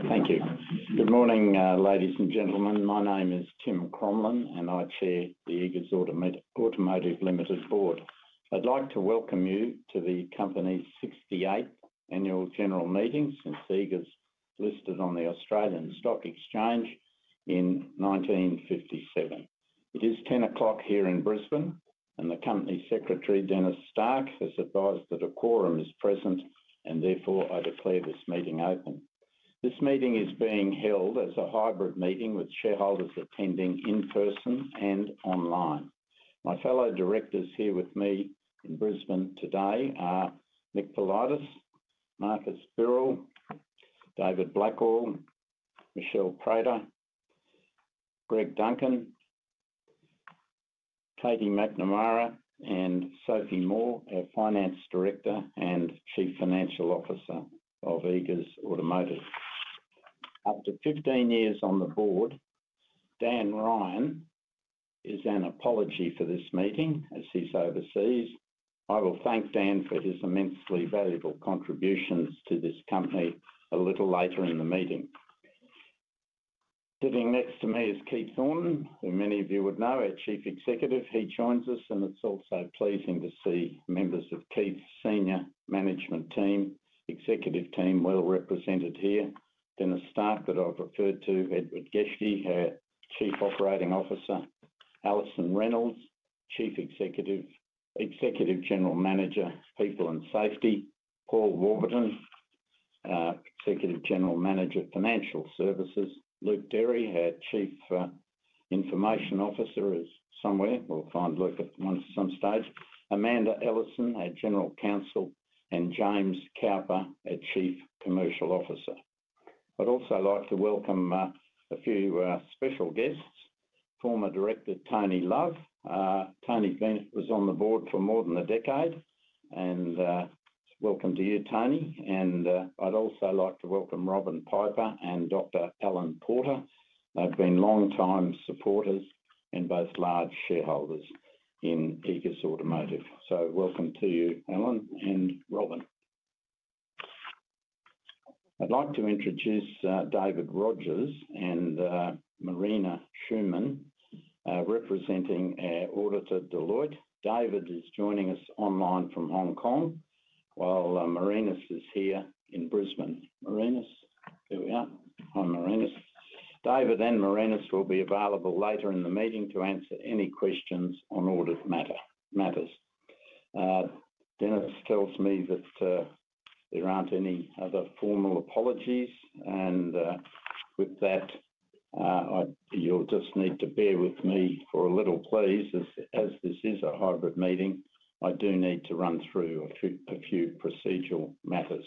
Okay, thank you. Good morning, ladies and gentlemen. My name is Tim Crommelin, and I chair the Eagers Automotive board. I'd like to welcome you to the company's 68th Annual General Meeting since Eagers listed on the Australian Stock Exchange in 1957. It is 10:00 A.M. here in Brisbane, and the Company Secretary, Denis Stark, has advised that a quorum is present, and therefore I declare this meeting open. This meeting is being held as a hybrid meeting with shareholders attending in person and online. My fellow directors here with me in Brisbane today are Nick Politis, Marcus Birrell, David Blackhall, Michelle Prater, Greg Duncan, Katie McNamara, and Sophie Moore, our Finance Director and Chief Financial Officer of Eagers Automotive. After 15 years on the board, Dan Ryan is an apology for this meeting as he's overseas. I will thank Dan for his immensely valuable contributions to this company a little later in the meeting. Sitting next to me is Keith Thornton, who many of you would know as Chief Executive. He joins us, and it's also pleasing to see members of Keith's senior management team, executive team, well represented here. Denis Stark, that I've referred to, Edward Geschke, our Chief Operating Officer, Alison Reynolds, Chief Executive General Manager, People and Safety, Paul Warburton, Executive General Manager, Financial Services, Luc Derix, our Chief Information Officer, is somewhere. We'll find Luke at some stage. Amanda Ellison, our General Counsel, and James Couper, our Chief Commercial Officer. I'd also like to welcome a few special guests. Former director, Tony Love. Tony's been on the board for more than a decade, and welcome to you, Tony. I'd also like to welcome Robin Piper and Dr. Alan Porter. They've been long-time supporters and both large shareholders in Eagers Automotive. So welcome to you, Alan and Robin. I'd like to introduce David Rogers and Marina Schumann, representing Auditor Deloitte. David is joining us online from Hong Kong while Marina is here in Brisbane. Marina, here we are. Hi, Marina. David and Marina will be available later in the meeting to answer any questions on all of the matters. Denis tells me that there aren't any other formal apologies, and with that, you'll just need to bear with me for a little, please, as this is a hybrid meeting. I do need to run through a few procedural matters.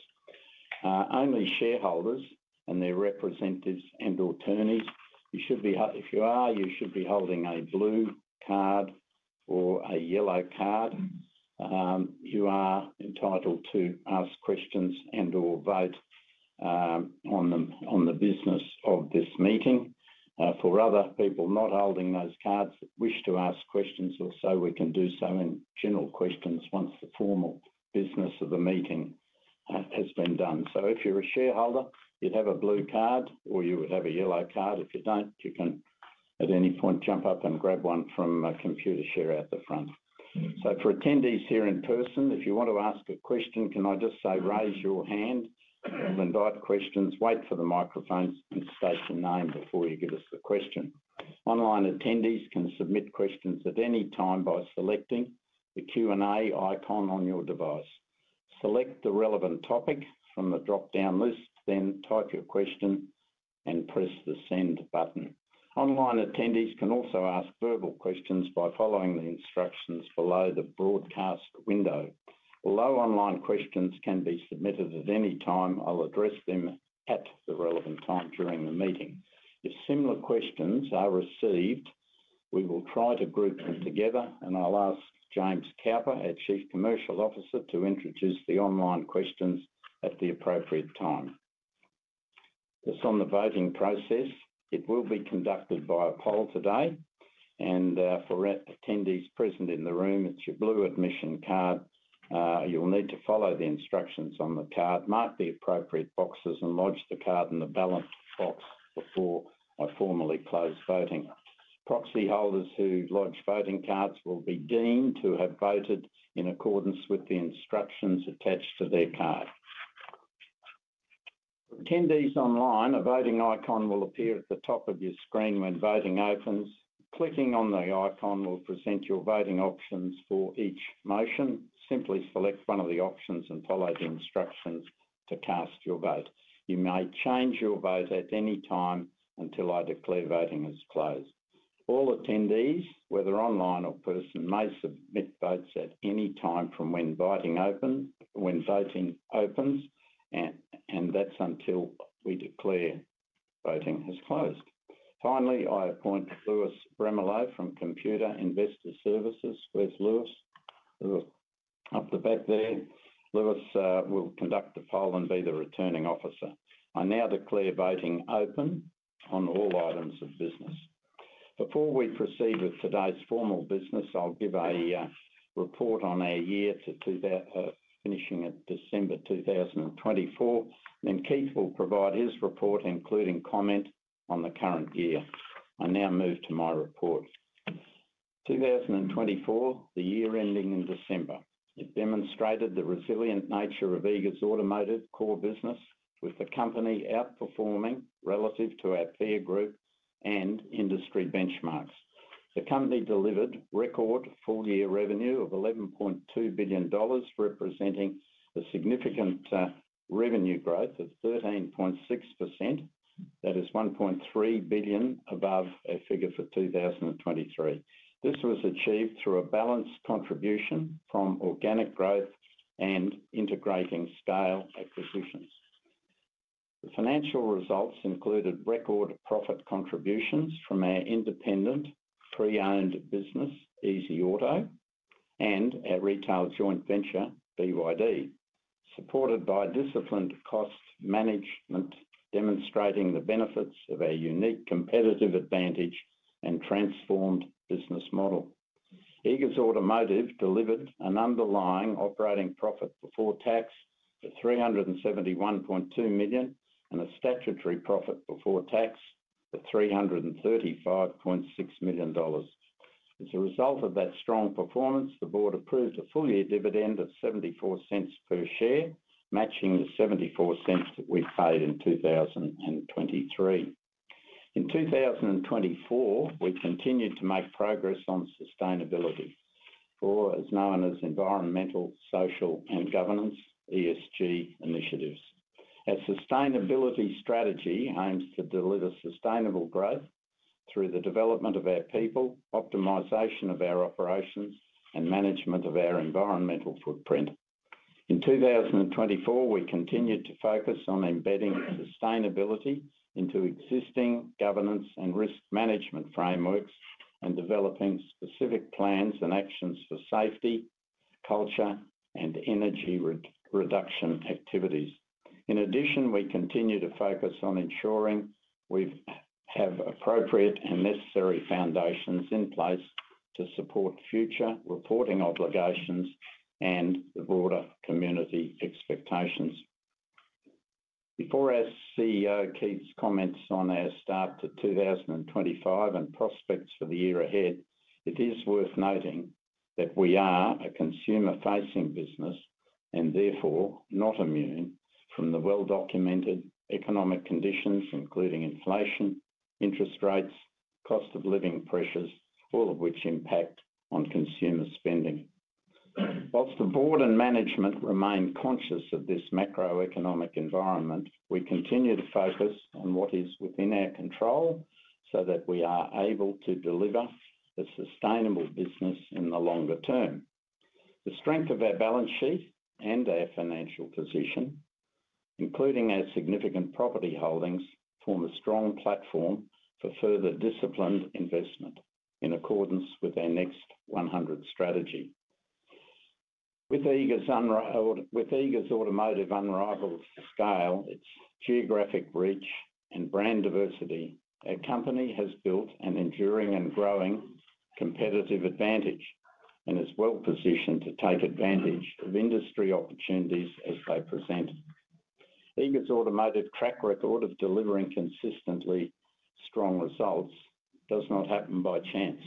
Only shareholders and their representatives and attorneys, if you are, you should be holding a blue card or a yellow card. You are entitled to ask questions and/or vote on the business of this meeting. For other people not holding those cards that wish to ask questions or so, we can do so in general questions once the formal business of the meeting has been done. If you're a shareholder, you'd have a blue card, or you would have a yellow card. If you don't, you can at any point jump up and grab one from Computershare at the front. For attendees here in person, if you want to ask a question, can I just say, raise your hand. If you've invited questions, wait for the microphones and state your name before you give us the question. Online attendees can submit questions at any time by selecting the Q&A icon on your device. Select the relevant topic from the drop-down list, then type your question and press the send button. Online attendees can also ask verbal questions by following the instructions below the broadcast window. Although online questions can be submitted at any time, I'll address them at the relevant time during the meeting. If similar questions are received, we will try to group them together, and I'll ask James Couper, our Chief Commercial Officer, to introduce the online questions at the appropriate time. Just on the voting process, it will be conducted by a poll today. For attendees present in the room, it's your blue admission card. You'll need to follow the instructions on the card, mark the appropriate boxes, and lodge the card in the ballot box before I formally close voting. Proxy holders who lodge voting cards will be deemed to have voted in accordance with the instructions attached to their card. For attendees online, a voting icon will appear at the top of your screen when voting opens. Clicking on the icon will present your voting options for each motion. Simply select one of the options and follow the instructions to cast your vote. You may change your vote at any time until I declare voting as closed. All attendees, whether online or in person, may submit votes at any time from when voting opens, and that's until we declare voting has closed. Finally, I appoint Lewis Bramello from Computershare. Where's Lewis? Lewis, up the back there. Lewis will conduct the poll and be the returning officer. I now declare voting open on all items of business. Before we proceed with today's formal business, I'll give a report on our year to finishing at December 2024, and then Keith will provide his report, including comment on the current year. I now move to my report. 2024, the year ending in December, demonstrated the resilient nature of Eagers Automotive core business, with the company outperforming relative to our peer group and industry benchmarks. The company delivered record full-year revenue of 11.2 billion dollars, representing a significant revenue growth of 13.6%. That is 1.3 billion above a figure for 2023. This was achieved through a balanced contribution from organic growth and integrating scale acquisitions. The financial results included record profit contributions from our independent pre-owned business, Easy Auto 123, and our retail joint venture, BYD, supported by disciplined cost management, demonstrating the benefits of our unique competitive advantage and transformed business model. Eagers Automotive delivered an underlying operating profit before tax of 371.2 million and a statutory profit before tax of 335.6 million dollars. As a result of that strong performance, the board approved a full-year dividend of 0.74 per share, matching the 0.74 that we paid in 2023. In 2024, we continued to make progress on sustainability, or as known as environmental, social, and governance, ESG initiatives. Our sustainability strategy aims to deliver sustainable growth through the development of our people, optimization of our operations, and management of our environmental footprint. In 2024, we continued to focus on embedding sustainability into existing governance and risk management frameworks and developing specific plans and actions for safety, culture, and energy reduction activities. In addition, we continue to focus on ensuring we have appropriate and necessary foundations in place to support future reporting obligations and the broader community expectations. Before our CEO Keith's comments on our start to 2025 and prospects for the year ahead, it is worth noting that we are a consumer-facing business and therefore not immune from the well-documented economic conditions, including inflation, interest rates, and cost of living pressures, all of which impact on consumer spending. Whilst the board and management remain conscious of this macroeconomic environment, we continue to focus on what is within our control so that we are able to deliver a sustainable business in the longer term. The strength of our balance sheet and our financial position, including our significant property holdings, form a strong platform for further disciplined investment in accordance with our next 100 strategy. With Eagers Automotive unrivaled scale, its geographic reach, and brand diversity, our company has built an enduring and growing competitive advantage and is well positioned to take advantage of industry opportunities as they present. Eagers Automotive's track record of delivering consistently strong results does not happen by chance.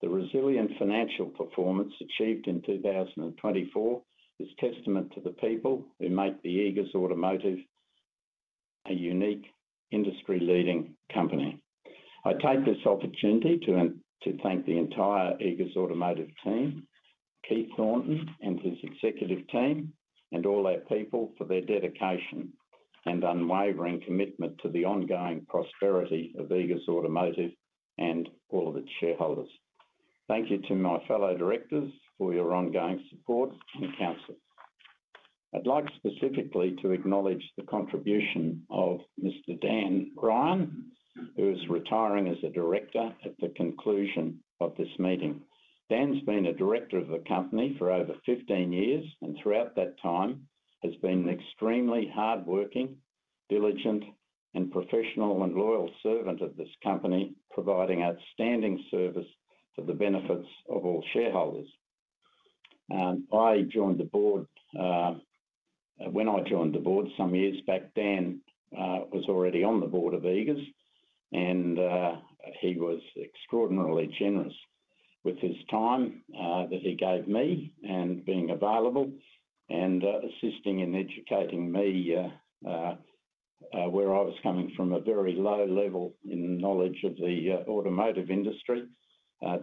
The resilient financial performance achieved in 2024 is a testament to the people who make Eagers Automotive a unique industry-leading company. I take this opportunity to thank the entire Eagers Automotive team, Keith Thornton and his executive team, and all our people for their dedication and unwavering commitment to the ongoing prosperity of Eagers Automotive and all of its shareholders. Thank you to my fellow directors for your ongoing support and counsel. I'd like specifically to acknowledge the contribution of Mr. Dan Ryan, who is retiring as a director at the conclusion of this meeting. Dan's been a director of the company for over 15 years, and throughout that time has been an extremely hardworking, diligent, and professional and loyal servant of this company, providing outstanding service to the benefits of all shareholders. When I joined the board some years back, Dan was already on the board of Eagers, and he was extraordinarily generous with his time that he gave me and being available and assisting in educating me where I was coming from a very low level in knowledge of the automotive industry.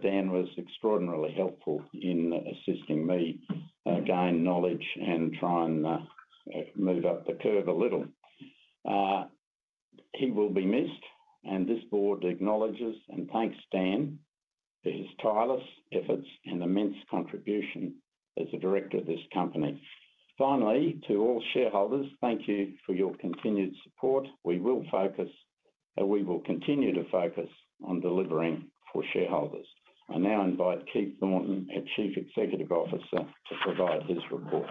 Dan was extraordinarily helpful in assisting me gain knowledge and try and move up the curve a little. He will be missed, and this board acknowledges and thanks Dan for his tireless efforts and immense contribution as a director of this company. Finally, to all shareholders, thank you for your continued support. We will focus, and we will continue to focus on delivering for shareholders. I now invite Keith Thornton, our Chief Executive Officer, to provide his report.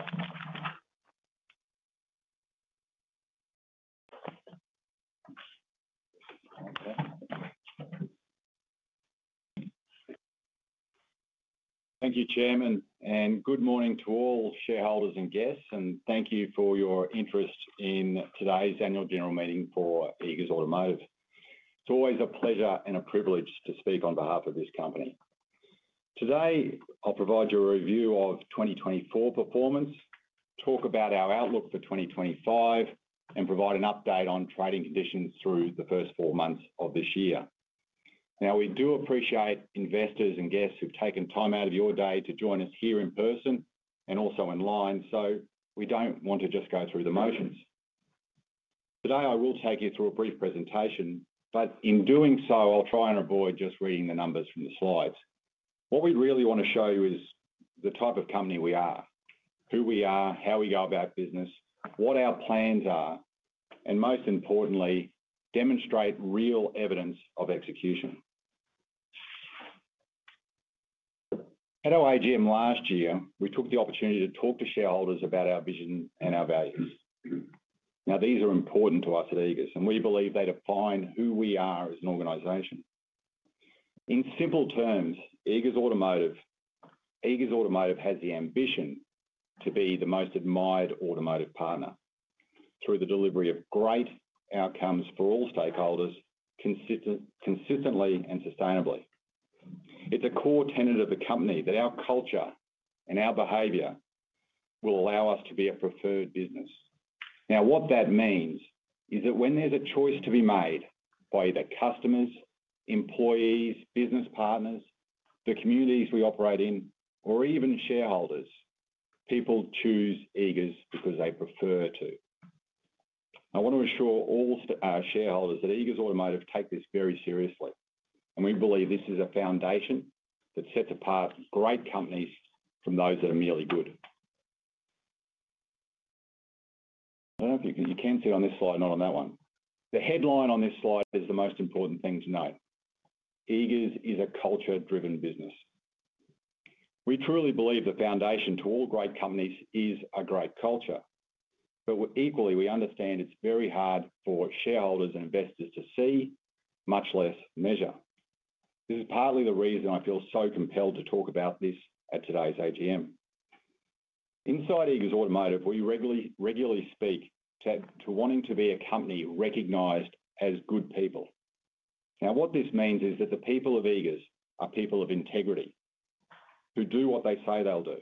Thank you, Chairman, and good morning to all shareholders and guests, and thank you for your interest in today's Annual General Meeting for Eagers Automotive. It's always a pleasure and a privilege to speak on behalf of this company. Today, I'll provide you a review of 2024 performance, talk about our outlook for 2025, and provide an update on trading conditions through the first four months of this year. Now, we do appreciate investors and guests who've taken time out of your day to join us here in person and also online, so we don't want to just go through the motions. Today, I will take you through a brief presentation, but in doing so, I'll try and avoid just reading the numbers from the slides. What we really want to show you is the type of company we are, who we are, how we go about business, what our plans are, and most importantly, demonstrate real evidence of execution. At our AGM last year, we took the opportunity to talk to shareholders about our vision and our values. Now, these are important to us at Eagers, and we believe they define who we are as an organization. In simple terms, Eagers Automotive has the ambition to be the most admired automotive partner through the delivery of great outcomes for all stakeholders consistently and sustainably. It is a core tenet of the company that our culture and our behavior will allow us to be a preferred business. Now, what that means is that when there's a choice to be made by the customers, employees, business partners, the communities we operate in, or even shareholders, people choose Eagers because they prefer to. I want to assure all shareholders that Eagers Automotive takes this very seriously, and we believe this is a foundation that sets apart great companies from those that are merely good. I don't know if you can see it on this slide and not on that one. The headline on this slide is the most important thing to note. Eagers is a culture-driven business. We truly believe the foundation to all great companies is a great culture, but equally, we understand it's very hard for shareholders and investors to see, much less measure. This is partly the reason I feel so compelled to talk about this at today's AGM. Inside Eagers Automotive, we regularly speak to wanting to be a company recognized as good people. Now, what this means is that the people of Eagers are people of integrity who do what they say they'll do,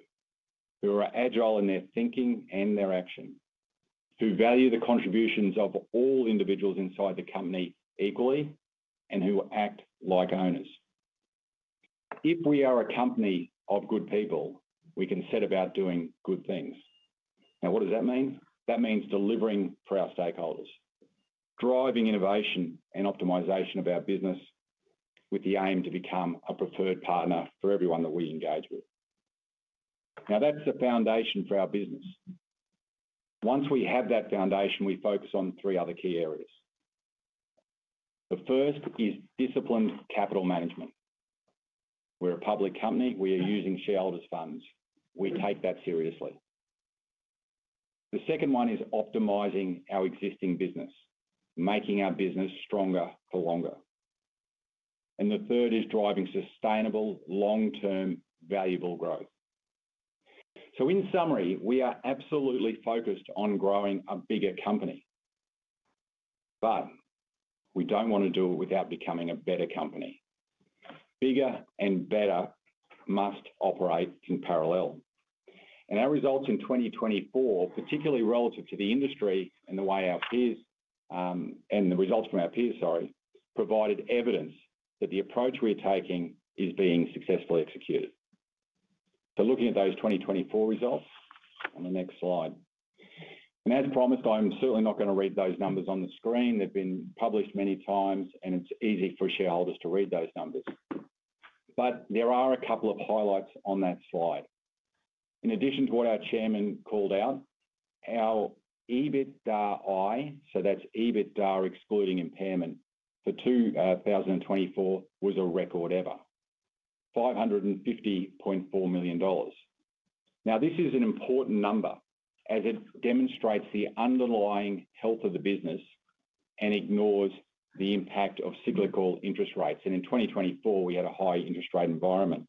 who are agile in their thinking and their action, who value the contributions of all individuals inside the company equally, and who act like owners. If we are a company of good people, we can set about doing good things. Now, what does that mean? That means delivering for our stakeholders, driving innovation and optimization of our business with the aim to become a preferred partner for everyone that we engage with. Now, that's the foundation for our business. Once we have that foundation, we focus on three other key areas. The first is disciplined capital management. We're a public company. We are using shareholders' funds. We take that seriously. The second one is optimizing our existing business, making our business stronger for longer. The third is driving sustainable, long-term, valuable growth. In summary, we are absolutely focused on growing a bigger company, but we do not want to do it without becoming a better company. Bigger and better must operate in parallel. Our results in 2024, particularly relative to the industry and the way our peers and the results from our peers, sorry, provided evidence that the approach we are taking is being successfully executed. Looking at those 2024 results on the next slide. As promised, I am certainly not going to read those numbers on the screen. They have been published many times, and it is easy for shareholders to read those numbers. There are a couple of highlights on that slide. In addition to what our Chairman called out, our EBITDAI, so that's EBITDA excluding impairment for 2024, was a record ever: 550.4 million dollars. This is an important number as it demonstrates the underlying health of the business and ignores the impact of cyclical interest rates. In 2024, we had a high interest rate environment.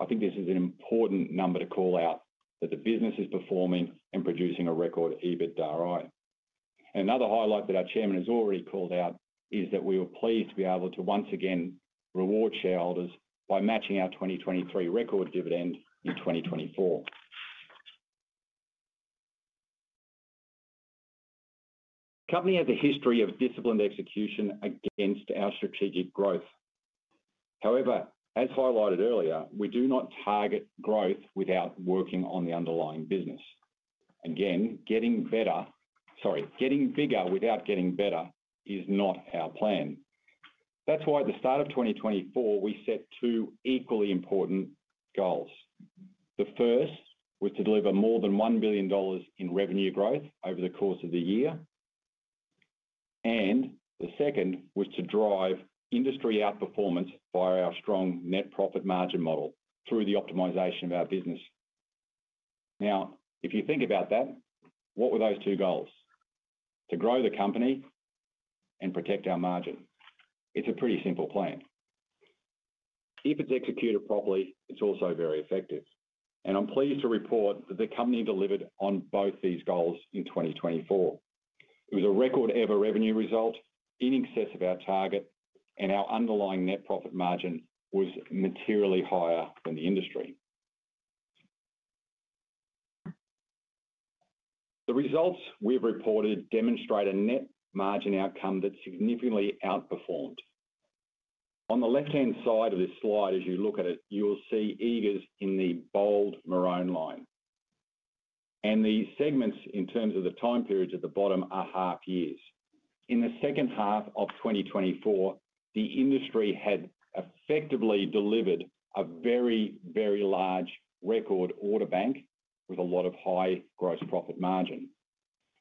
I think this is an important number to call out that the business is performing and producing a record EBITDAI. Another highlight that our Chairman has already called out is that we were pleased to be able to once again reward shareholders by matching our 2023 record dividend in 2024. The company has a history of disciplined execution against our strategic growth. However, as highlighted earlier, we do not target growth without working on the underlying business. Again, getting better—sorry, getting bigger without getting better is not our plan. That's why at the start of 2024, we set two equally important goals. The first was to deliver more than 1 billion dollars in revenue growth over the course of the year, and the second was to drive industry outperformance via our strong net profit margin model through the optimization of our business. Now, if you think about that, what were those two goals? To grow the company and protect our margin. It's a pretty simple plan. If it's executed properly, it's also very effective. I'm pleased to report that the company delivered on both these goals in 2024. It was a record-ever revenue result in excess of our target, and our underlying net profit margin was materially higher than the industry. The results we've reported demonstrate a net margin outcome that significantly outperformed. On the left-hand side of this slide, as you look at it, you'll see Eagers in the bold maroon line. The segments in terms of the time periods at the bottom are half years. In the second half of 2024, the industry had effectively delivered a very, very large record order bank with a lot of high gross profit margin.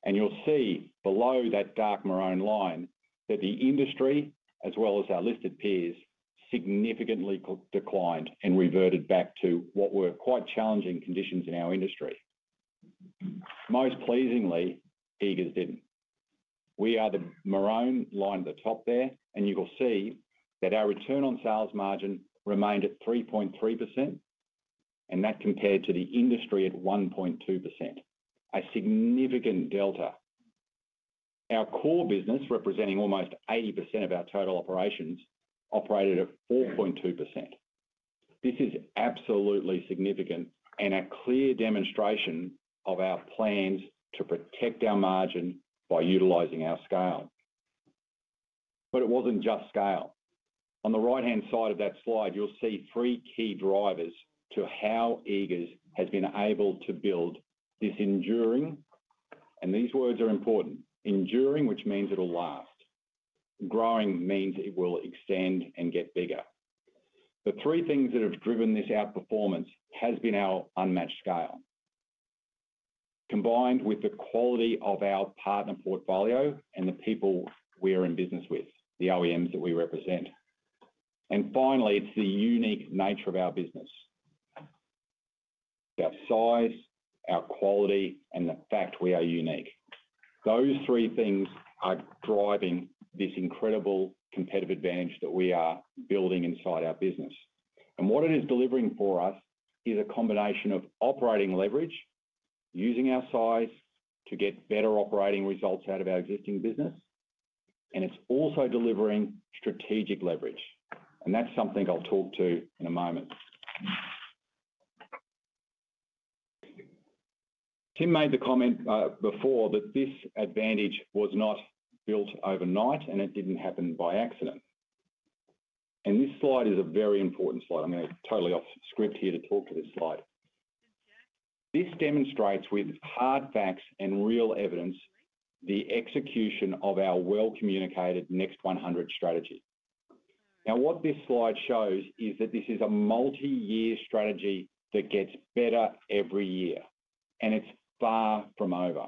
You'll see below that dark maroon line that the industry, as well as our listed peers, significantly declined and reverted back to what were quite challenging conditions in our industry. Most pleasingly, Eagers didn't. We are the maroon line at the top there, and you will see that our return on sales margin remained at 3.3%, and that compared to the industry at 1.2%, a significant delta. Our core business, representing almost 80% of our total operations, operated at 4.2%. This is absolutely significant and a clear demonstration of our plans to protect our margin by utilizing our scale. It was not just scale. On the right-hand side of that slide, you'll see three key drivers to how Eagers has been able to build this enduring—and these words are important—enduring, which means it'll last. Growing means it will extend and get bigger. The three things that have driven this outperformance have been our unmatched scale, combined with the quality of our partner portfolio and the people we are in business with, the OEMs that we represent. Finally, it is the unique nature of our business: our size, our quality, and the fact we are unique. Those three things are driving this incredible competitive advantage that we are building inside our business. What it is delivering for us is a combination of operating leverage, using our size to get better operating results out of our existing business, and it is also delivering strategic leverage. That is something I will talk to in a moment. Tim made the comment before that this advantage was not built overnight, and it did not happen by accident. This slide is a very important slide. I am going totally off script here to talk to this slide. This demonstrates, with hard facts and real evidence, the execution of our well-communicated Next 100 strategy. Now, what this slide shows is that this is a multi-year strategy that gets better every year, and it is far from over.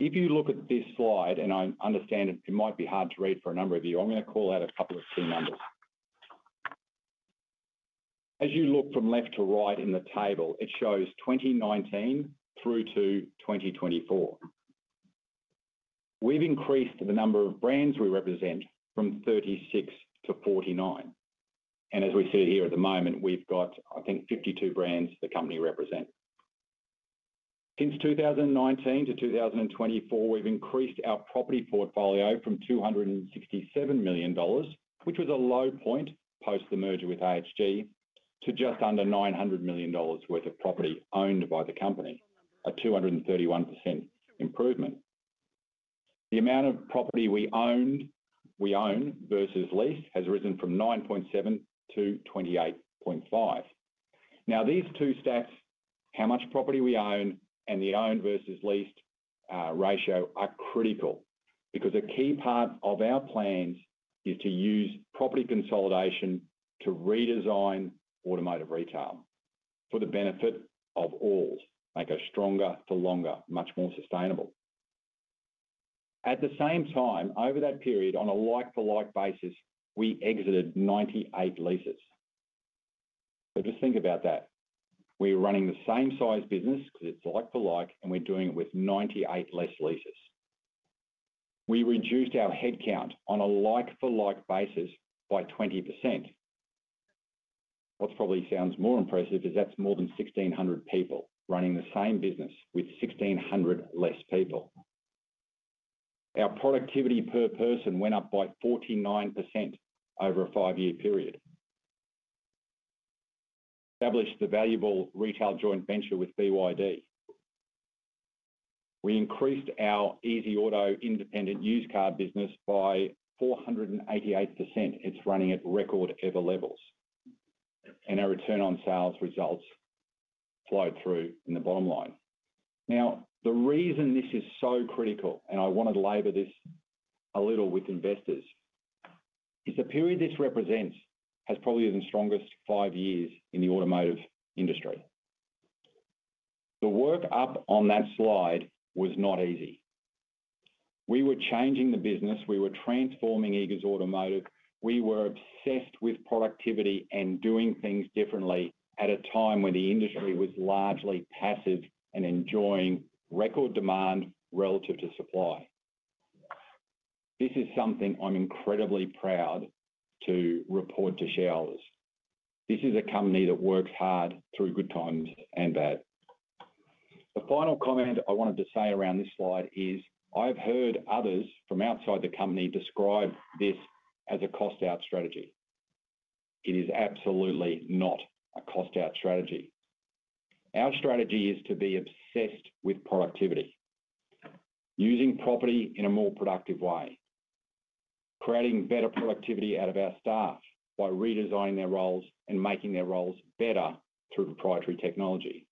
If you look at this slide, and I understand it might be hard to read for a number of you, I am going to call out a couple of key numbers. As you look from left to right in the table, it shows 2019 through to 2024. We've increased the number of brands we represent from 36 to 49. As we sit here at the moment, we've got, I think, 52 brands the company represents. Since 2019 to 2024, we've increased our property portfolio from 267 million dollars, which was a low point post the merger with AHG, to just under 900 million dollars worth of property owned by the company, a 231% improvement. The amount of property we owned versus leased has risen from 9.7 to 28.5. Now, these two stats, how much property we own and the owned versus leased ratio, are critical because a key part of our plans is to use property consolidation to redesign automotive retail for the benefit of all, make us stronger for longer, much more sustainable. At the same time, over that period, on a like-for-like basis, we exited 98 leases. Just think about that. We're running the same size business because it's like-for-like, and we're doing it with 98 less leases. We reduced our headcount on a like-for-like basis by 20%. What probably sounds more impressive is that's more than 1,600 people running the same business with 1,600 less people. Our productivity per person went up by 49% over a five-year period. We established the valuable retail joint venture with BYD. We increased our EasyAuto independent used car business by 488%. It's running at record-ever levels. Our return on sales results flowed through in the bottom line. Now, the reason this is so critical, and I want to labor this a little with investors, is the period this represents has probably been the strongest five years in the automotive industry. The work up on that slide was not easy. We were changing the business. We were transforming Eagers Automotive. We were obsessed with productivity and doing things differently at a time when the industry was largely passive and enjoying record demand relative to supply. This is something I'm incredibly proud to report to shareholders. This is a company that works hard through good times and bad. The final comment I wanted to say around this slide is I've heard others from outside the company describe this as a cost-out strategy. It is absolutely not a cost-out strategy. Our strategy is to be obsessed with productivity, using property in a more productive way, creating better productivity out of our staff by redesigning their roles and making their roles better through proprietary technology.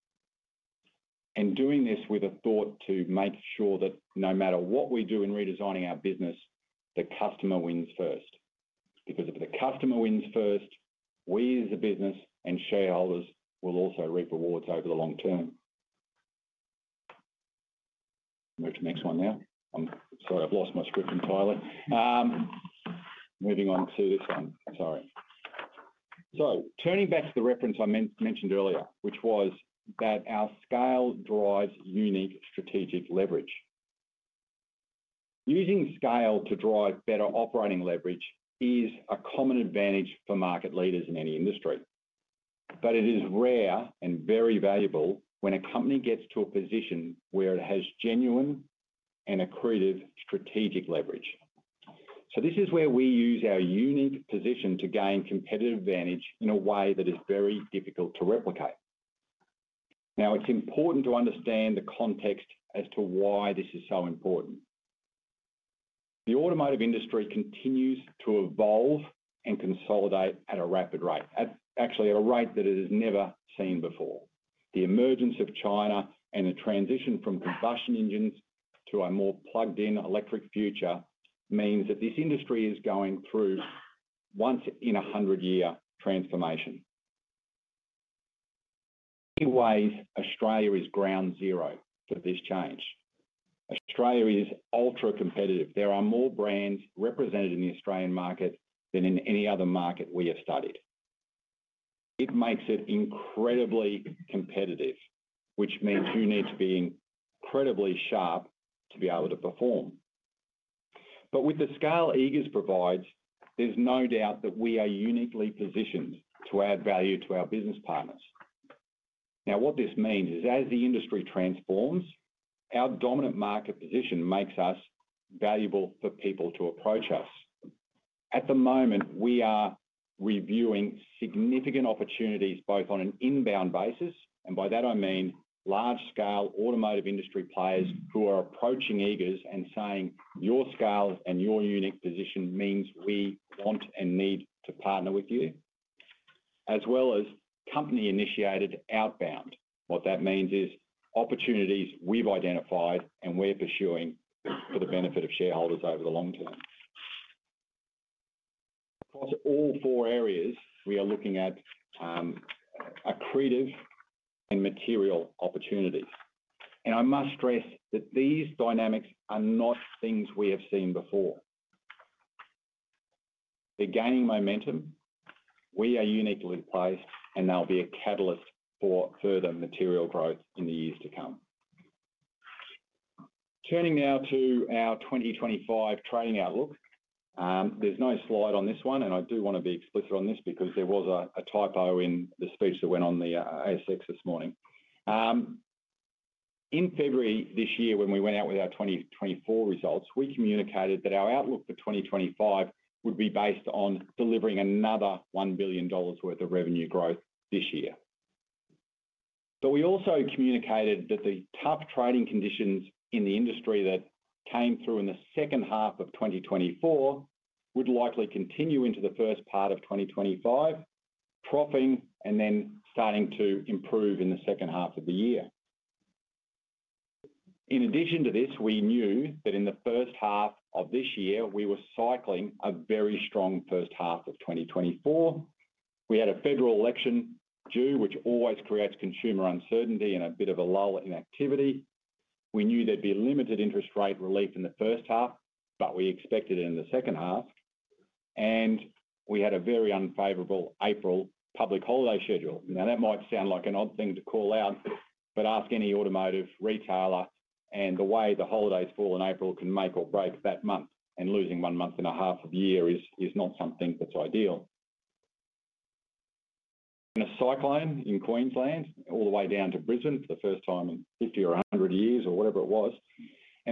Doing this with a thought to make sure that no matter what we do in redesigning our business, the customer wins first. Because if the customer wins first, we as a business and shareholders will also reap rewards over the long term. Move to the next one now. I'm sorry, I've lost my script entirely. Moving on to this one. Sorry. Turning back to the reference I mentioned earlier, which was that our scale drives unique strategic leverage. Using scale to drive better operating leverage is a common advantage for market leaders in any industry. It is rare and very valuable when a company gets to a position where it has genuine and accretive strategic leverage. This is where we use our unique position to gain competitive advantage in a way that is very difficult to replicate. Now, it's important to understand the context as to why this is so important. The automotive industry continues to evolve and consolidate at a rapid rate, actually at a rate that it has never seen before. The emergence of China and the transition from combustion engines to a more plugged-in electric future means that this industry is going through a once-in-a-hundred-year transformation. In many ways, Australia is ground zero for this change. Australia is ultra-competitive. There are more brands represented in the Australian market than in any other market we have studied. It makes it incredibly competitive, which means you need to be incredibly sharp to be able to perform. With the scale Eagers provides, there's no doubt that we are uniquely positioned to add value to our business partners. Now, what this means is as the industry transforms, our dominant market position makes us valuable for people to approach us. At the moment, we are reviewing significant opportunities both on an inbound basis, and by that I mean large-scale automotive industry players who are approaching Eagers and saying, "Your scale and your unique position means we want and need to partner with you," as well as company-initiated outbound. What that means is opportunities we've identified and we're pursuing for the benefit of shareholders over the long term. Across all four areas, we are looking at accretive and material opportunities. I must stress that these dynamics are not things we have seen before. They're gaining momentum. We are uniquely placed, and they'll be a catalyst for further material growth in the years to come. Turning now to our 2025 trading outlook, there is no slide on this one, and I do want to be explicit on this because there was a typo in the speech that went on the ASX this morning. In February this year, when we went out with our 2024 results, we communicated that our outlook for 2025 would be based on delivering another 1 billion dollars worth of revenue growth this year. We also communicated that the tough trading conditions in the industry that came through in the second half of 2024 would likely continue into the first part of 2025, troughing and then starting to improve in the second half of the year. In addition to this, we knew that in the first half of this year, we were cycling a very strong first half of 2024. We had a federal election due, which always creates consumer uncertainty and a bit of a lull in activity. We knew there would be limited interest rate relief in the first half, but we expected it in the second half. We had a very unfavorable April public holiday schedule. That might sound like an odd thing to call out, but ask any automotive retailer, and the way the holidays fall in April can make or break that month, and losing one month and a half of a year is not something that is ideal. In a cyclone in Queensland all the way down to Brisbane for the first time in 50 or 100 years or whatever it was.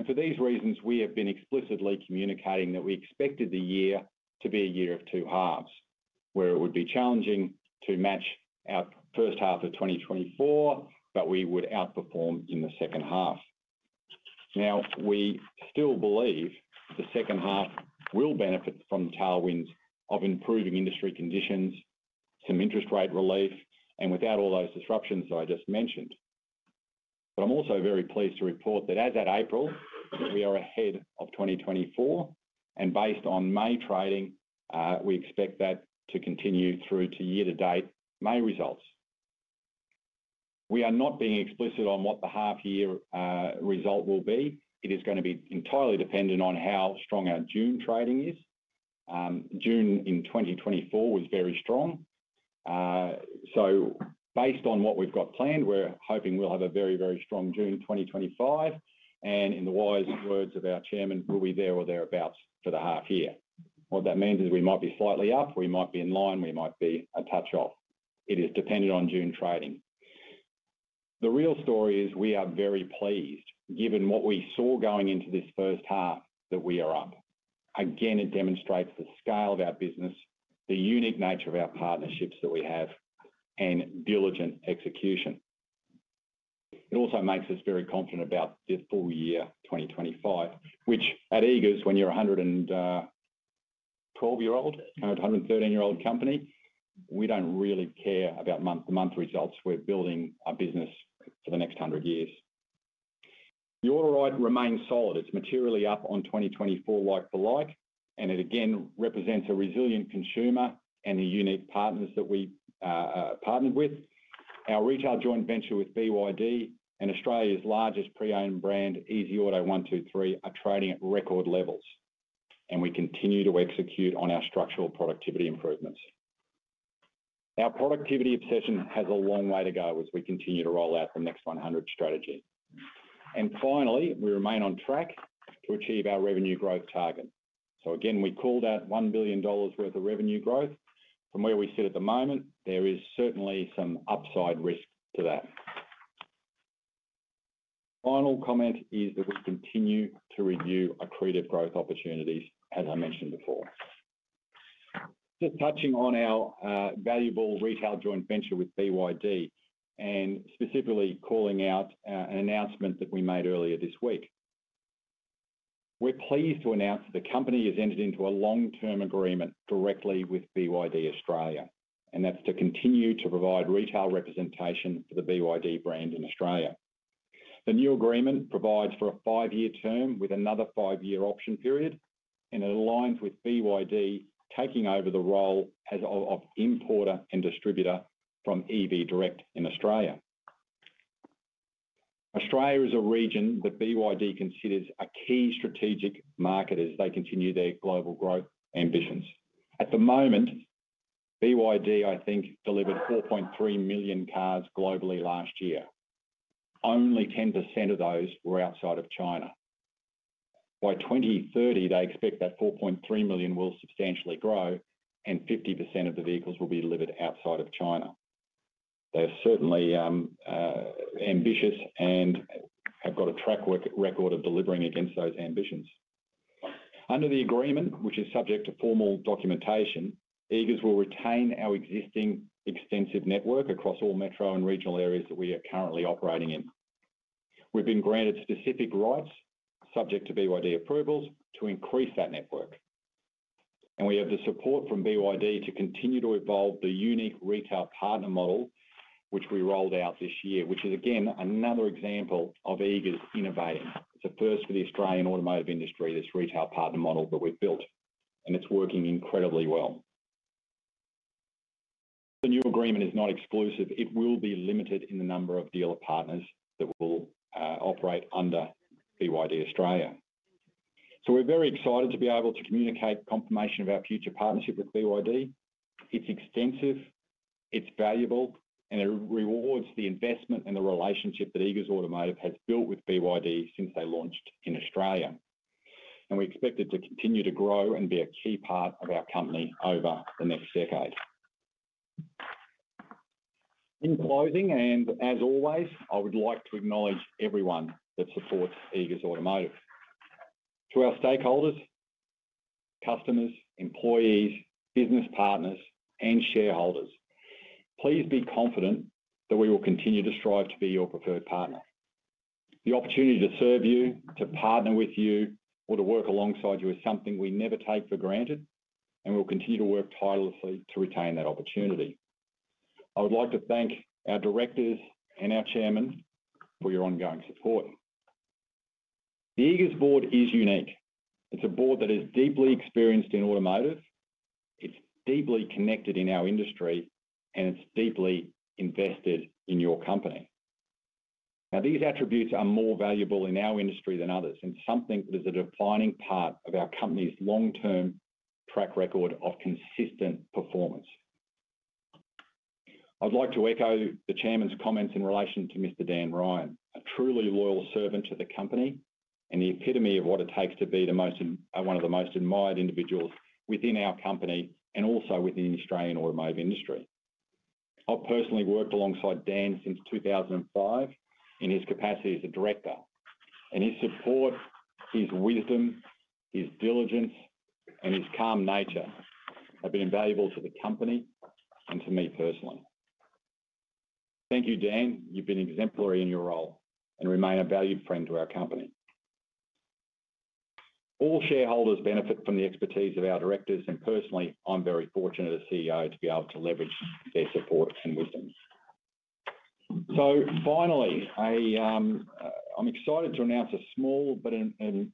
For these reasons, we have been explicitly communicating that we expected the year to be a year of two halves, where it would be challenging to match our first half of 2024, but we would outperform in the second half. We still believe the second half will benefit from the tailwinds of improving industry conditions, some interest rate relief, and without all those disruptions that I just mentioned. I am also very pleased to report that as of April, we are ahead of 2024, and based on May trading, we expect that to continue through to year-to-date May results. We are not being explicit on what the half-year result will be. It is going to be entirely dependent on how strong our June trading is. June in 2024 was very strong. Based on what we have got planned, we are hoping we will have a very, very strong June 2025. In the wise words of our Chairman, we will be there or thereabouts for the half year. What that means is we might be slightly up, we might be in line, we might be a touch off. It is dependent on June trading. The real story is we are very pleased, given what we saw going into this first half, that we are up. Again, it demonstrates the scale of our business, the unique nature of our partnerships that we have, and diligent execution. It also makes us very confident about the full year 2025, which at Eagers, when you are a 112-year-old, 113-year-old company, we do not really care about month-to-month results. We are building our business for the next 100 years. The auto right remains solid. It is materially up on 2024 like-for-like, and it again represents a resilient consumer and the unique partners that we partnered with. Our retail joint venture with BYD and Australia's largest pre-owned brand, Easy Auto 123, are trading at record levels, and we continue to execute on our structural productivity improvements. Our productivity obsession has a long way to go as we continue to roll out the Next 100 strategy. Finally, we remain on track to achieve our revenue growth target. Again, we called out 1 billion dollars worth of revenue growth. From where we sit at the moment, there is certainly some upside risk to that. Final comment is that we continue to review accretive growth opportunities, as I mentioned before. Just touching on our valuable retail joint venture with BYD and specifically calling out an announcement that we made earlier this week. We're pleased to announce that the company has entered into a long-term agreement directly with BYD Australia, and that's to continue to provide retail representation for the BYD brand in Australia. The new agreement provides for a five-year term with another five-year option period, and it aligns with BYD taking over the role as importer and distributor from EV Direct in Australia. Australia is a region that BYD considers a key strategic market as they continue their global growth ambitions. At the moment, BYD, I think, delivered 4.3 million cars globally last year. Only 10% of those were outside of China. By 2030, they expect that 4.3 million will substantially grow, and 50% of the vehicles will be delivered outside of China. They're certainly ambitious and have got a track record of delivering against those ambitions. Under the agreement, which is subject to formal documentation, Eagers will retain our existing extensive network across all metro and regional areas that we are currently operating in. We have been granted specific rights subject to BYD approvals to increase that network. We have the support from BYD to continue to evolve the unique retail partner model, which we rolled out this year, which is again another example of Eagers innovating. It is a first for the Australian automotive industry, this retail partner model that we have built, and it is working incredibly well. The new agreement is not exclusive. It will be limited in the number of dealer partners that will operate under BYD Australia. We are very excited to be able to communicate confirmation of our future partnership with BYD. It is extensive. It's valuable, and it rewards the investment and the relationship that Eagers Automotive has built with BYD since they launched in Australia. We expect it to continue to grow and be a key part of our company over the next decade. In closing, and as always, I would like to acknowledge everyone that supports Eagers Automotive. To our stakeholders, customers, employees, business partners, and shareholders, please be confident that we will continue to strive to be your preferred partner. The opportunity to serve you, to partner with you, or to work alongside you is something we never take for granted, and we'll continue to work tirelessly to retain that opportunity. I would like to thank our directors and our chairmen for your ongoing support. The Eagers board is unique. It's a board that is deeply experienced in automotive. It's deeply connected in our industry, and it's deeply invested in your company. Now, these attributes are more valuable in our industry than others, and something that is a defining part of our company's long-term track record of consistent performance. I'd like to echo the Chairman's comments in relation to Mr. Dan Ryan, a truly loyal servant to the company and the epitome of what it takes to be one of the most admired individuals within our company and also within the Australian automotive industry. I've personally worked alongside Dan since 2005 in his capacity as a director, and his support, his wisdom, his diligence, and his calm nature have been invaluable to the company and to me personally. Thank you, Dan. You've been exemplary in your role and remain a valued friend to our company. All shareholders benefit from the expertise of our directors, and personally, I'm very fortunate as CEO to be able to leverage their support and wisdom. Finally, I'm excited to announce a small but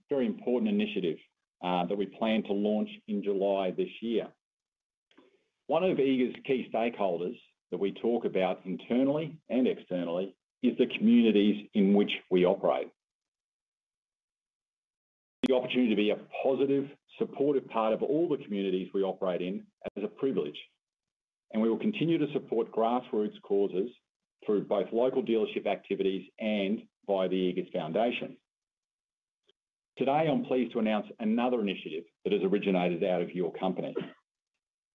very important initiative that we plan to launch in July this year. One of Eagers' key stakeholders that we talk about internally and externally is the communities in which we operate. The opportunity to be a positive, supportive part of all the communities we operate in is a privilege, and we will continue to support grassroots causes through both local dealership activities and by the Eagers Foundation. Today, I'm pleased to announce another initiative that has originated out of your company.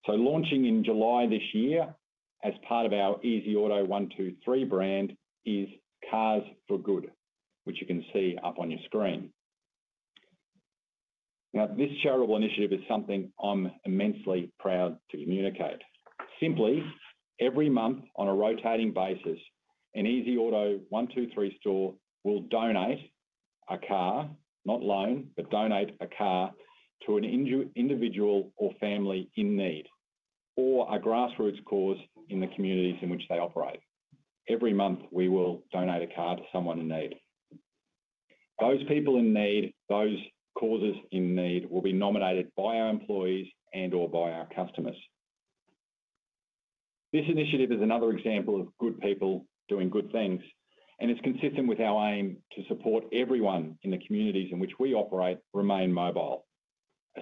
Launching in July this year as part of our Easy Auto 123 brand is Cars for Good, which you can see up on your screen. Now, this charitable initiative is something I'm immensely proud to communicate. Simply, every month on a rotating basis, an Easy Auto 123 store will donate a car, not loan, but donate a car to an individual or family in need or a grassroots cause in the communities in which they operate. Every month, we will donate a car to someone in need. Those people in need, those causes in need will be nominated by our employees and/or by our customers. This initiative is another example of good people doing good things, and it's consistent with our aim to support everyone in the communities in which we operate, remain mobile,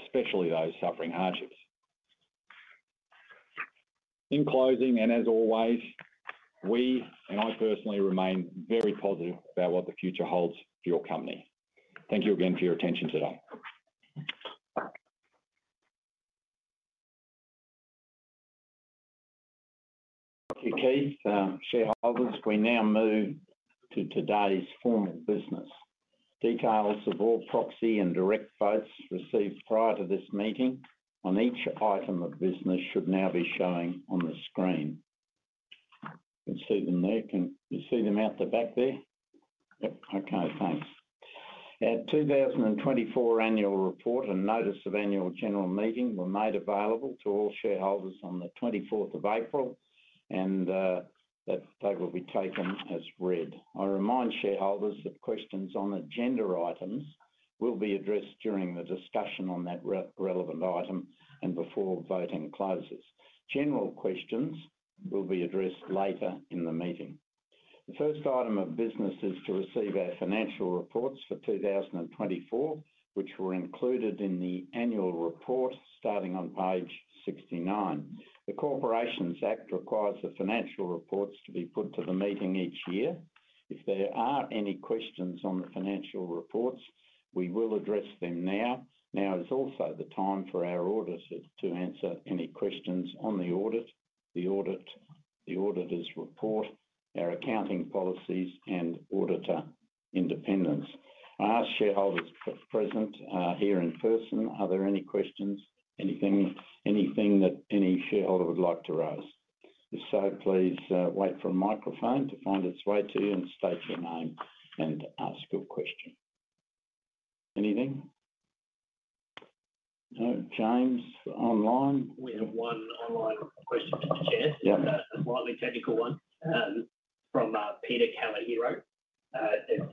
especially those suffering hardships. In closing, and as always, we and I personally remain very positive about what the future holds for your company. Thank you again for your attention today. Thank you, Keith. Shareholders, we now move to today's formal business. Details of all proxy and direct votes received prior to this meeting on each item of business should now be showing on the screen. You can see them there. Can you see them out the back there? Yep. Okay. Thanks. The 2024 annual report and notice of annual general meeting were made available to all shareholders on the 24th of April, and they will be taken as read. I remind shareholders that questions on agenda items will be addressed during the discussion on that relevant item and before voting closes. General questions will be addressed later in the meeting. The first item of business is to receive our financial reports for 2024, which were included in the annual report starting on page 69. The Corporations Act requires the financial reports to be put to the meeting each year. If there are any questions on the financial reports, we will address them now. Now is also the time for our auditor to answer any questions on the audit, the auditor's report, our accounting policies, and auditor independence. Our shareholders present here in person, are there any questions, anything that any shareholder would like to raise? If so, please wait for a microphone to find its way to you and state your name and ask your question. Anything? No. James, online? We have one online question from the chair. A slightly technical one from Keithr Callahero. It is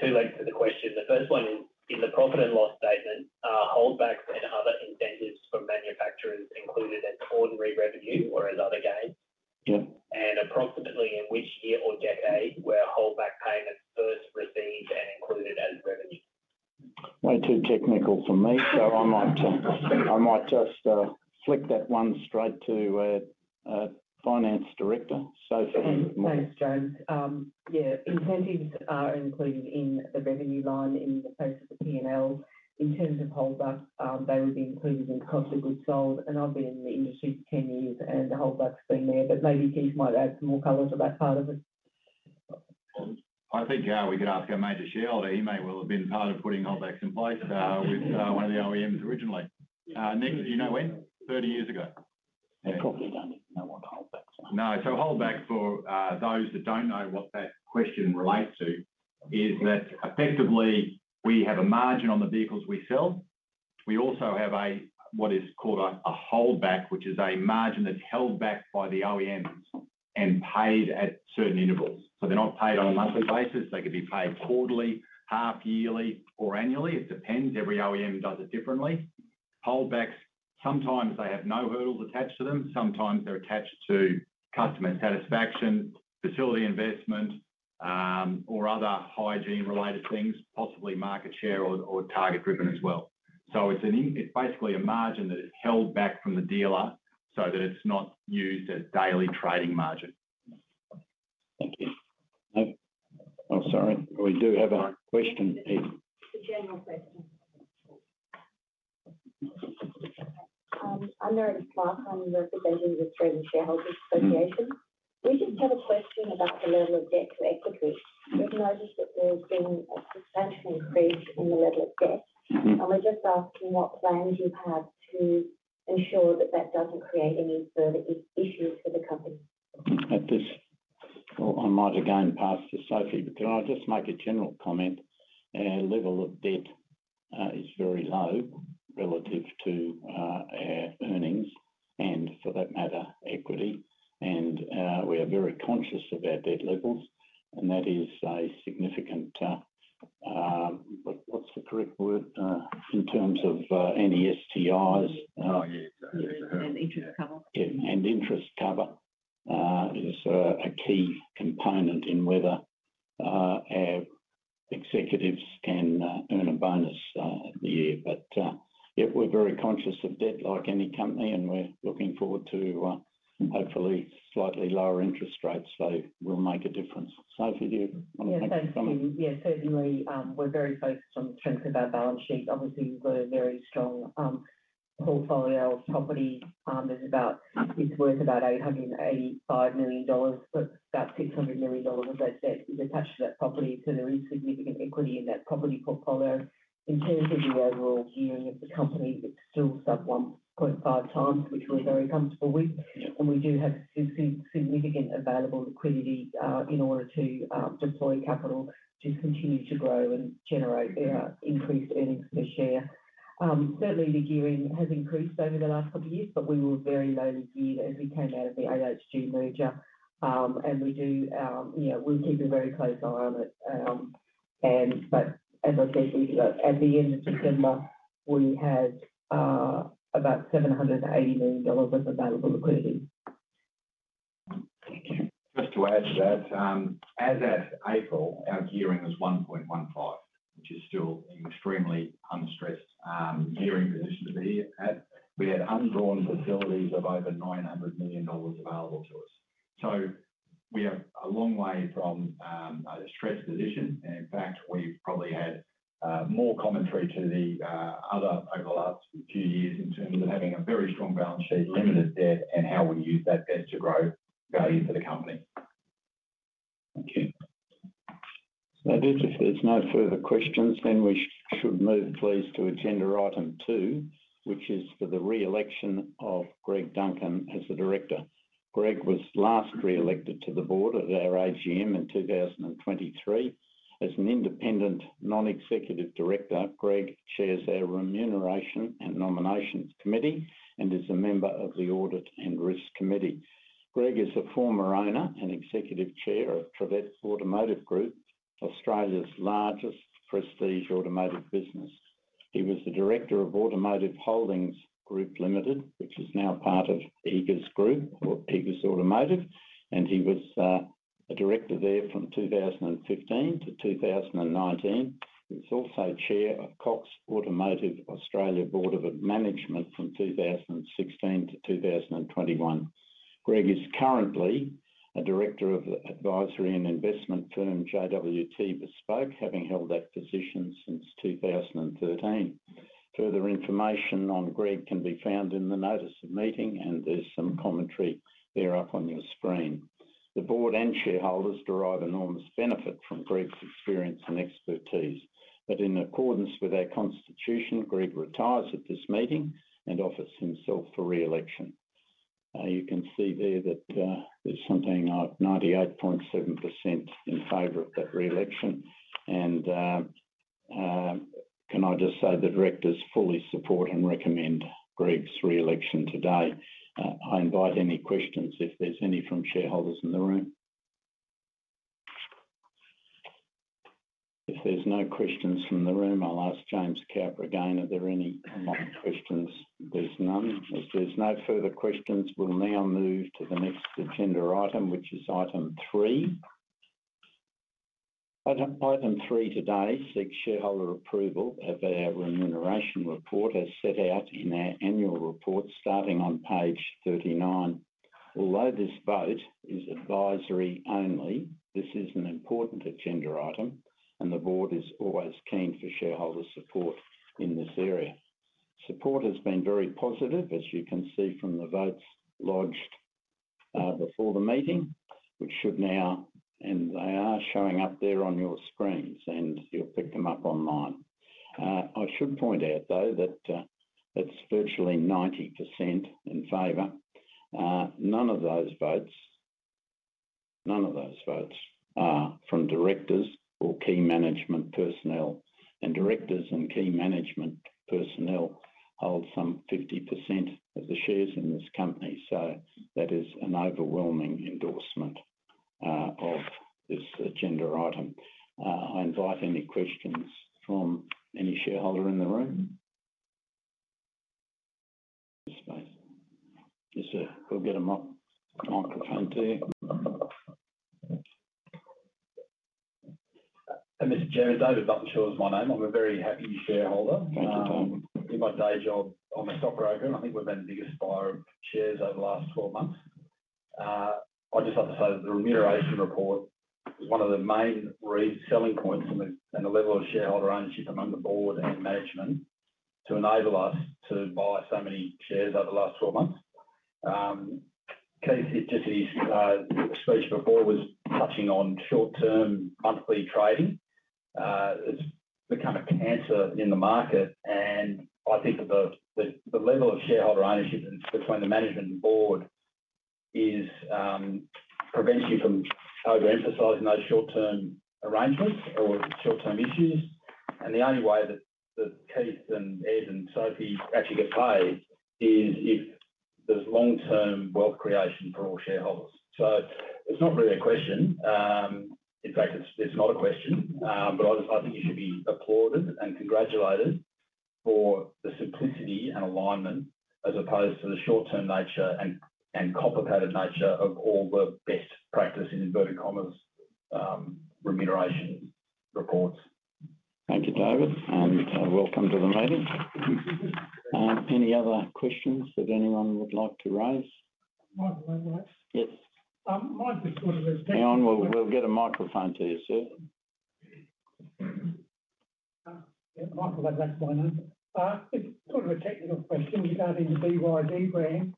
two links to the question. The first one is, in the profit and loss statement, are holdbacks and other incentives for manufacturers included as ordinary revenue or as other gains? And approximately in which year or decade were holdback payments first received and included as revenue? Way too technical for me, so I might just flick that one straight to Finance Director, Sophie Moore. Thanks James. Yeah, incentives are included in the revenue line in the face of the P&L. In terms of holdbacks, they would be included in the cost of goods sold. I've been in the industry for 10 years, and the holdbacks have been there. Maybe Keith might add some more color to that part of it. I think we could ask our major shareholder; he may well have been part of putting holdbacks in place with one of the OEMs originally. Nick, did you know when? Thirty years ago. I probably do not even know what holdbacks are. No. Holdbacks, for those that do not know what that question relates to, is that effectively we have a margin on the vehicles we sell. We also have what is called a holdback, which is a margin that's held back by the OEMs and paid at certain intervals. They are not paid on a monthly basis. They could be paid quarterly, half-yearly, or annually. It depends. Every OEM does it differently. Holdbacks, sometimes they have no hurdles attached to them. Sometimes they are attached to customer satisfaction, facility investment, or other hygiene-related things, possibly market share or target-driven as well. It isasically a margin that is held back from the dealer so that it is not used as daily trading margin. Thank you. Oh, sorry. We do have a question, Keith. It is a general question. I'm Marie McCarthy. I'm representing the Australian Shareholders Association. We just have a question about the level of debt to equity. We've noticed that there's been a substantial increase in the level of debt, and we're just asking what plans you have to ensure that that doesn't create any further issues for the company. I might have gone past this, Sophie, but can I just make a general comment? Our level of debt is very low relative to our earnings and, for that matter, equity. We are very conscious of our debt levels, and that is a significant—what's the correct word?—in terms of any STIs. Oh, yeah. Interest cover. Interest cover is a key component in whether our executives can earn a bonus at the end. We are very conscious of debt like any company, and we're looking forward to hopefully slightly lower interest rates, which will make a difference. Sophie, do you want to make a comment? Yeah. Thank you. Yeah. Certainly, we're very focused on the strength of our balance sheet. Obviously, we've got a very strong portfolio of property. It's worth about 885 million dollars, but about 600 million dollars of that debt is attached to that property, so there is significant equity in that property portfolio. In terms of the overall gearing of the company, it's still sub-1.5 times, which we're very comfortable with. We do have significant available liquidity in order to deploy capital to continue to grow and generate increased earnings per share. Certainly, the gearing has increased over the last couple of years, but we were very lowly geared as we came out of the AHG merger, and we do—we'll keep a very close eye on it. As I said, at the end of September, we had about 780 million dollars of available liquidity. Just to add to that, as of April, our gearing was 1.15, which is still an extremely unstressed gearing position to be at. We had undrawn facilities of over 900 million dollars available to us. We are a long way from a stressed position, and in fact, we've probably had more commentary to the other over the last few years in terms of having a very strong balance sheet, limited debt, and how we use that debt to grow value for the company. Okay. If there's no further questions, then we should move, please, to agenda item two, which is for the re-election of Greg Duncan as the director. Greg was last re-elected to the board at our AGM in 2023. As an independent, non-executive director, Greg chairs our remuneration and nominations committee and is a member of the audit and risk committee. Greg is a former owner and executive chair of Trivett Automotive Group, Australia's largest prestige automotive business. He was the director of Automotive Holdings Group, which is now part of Eagers Automotive, and he was a director there from 2015 to 2019. He's also chair of Cox Automotive Australia Board of Management from 2016 to 2021. Greg is currently a director of the advisory and investment firm JWT Bespoke, having held that position since 2013. Further information on Greg can be found in the notice of meeting, and there's some commentary there up on your screen. The board and shareholders derive enormous benefit from Greg's experience and expertise. In accordance with our constitution, Greg retires at this meeting and offers himself for re-election. You can see there that there's something like 98.7% in favor of that re-election. Can I just say the directors fully support and recommend Greg's re-election today. I invite any questions if there's any from shareholders in the room. If there's no questions from the room, I'll ask James Couper again. Are there any questions? There's none. If there's no further questions, we'll now move to the next agenda item, which is item three. Item three today seeks shareholder approval of our remuneration report as set out in our annual report starting on page 39. Although this vote is advisory only, this is an important agenda item, and the board is always keen for shareholder support in this area. Support has been very positive, as you can see from the votes lodged before the meeting, which should now—they are showing up there on your screens, and you'll pick them up online. I should point out, though, that it's virtually 90% in favor. None of those votes, none of those votes, are from directors or key management personnel. Directors and key management personnel hold some 50% of the shares in this company. That is an overwhelming endorsement of this agenda item. I invite any questions from any shareholder in the room. Yes, sir. We'll get a microphone to you. David Buttenshaw is my name. I'm a very happy shareholder. In my day job, I'm a stock broker. I think we've had the biggest buyer of shares over the last 12 months. I just have to say that the remuneration report is one of the main selling points and the level of shareholder ownership among the board and management to enable us to buy so many shares over the last 12 months. Keith, just to speak to the board, was touching on short-term monthly trading. It's become a cancer in the market, and I think that the level of shareholder ownership between the management and board prevents you from over-emphasizing those short-term arrangements or short-term issues. The only way that Keith and Ed and Sophie actually get paid is if there's long-term wealth creation for all shareholders. It's not really a question. In fact, it's not a question, but I think it should be applauded and congratulated for the simplicity and alignment as opposed to the short-term nature and copper-padded nature of all the best practice in inverted commas remuneration reports. Thank you, David, and welcome to the meeting. Any other questions that anyone would like to raise? Yes. Mine's just sort of a— We'll get a microphone to you, sir. Michael, that's my name. It's sort of a technical question regarding the BYD brand.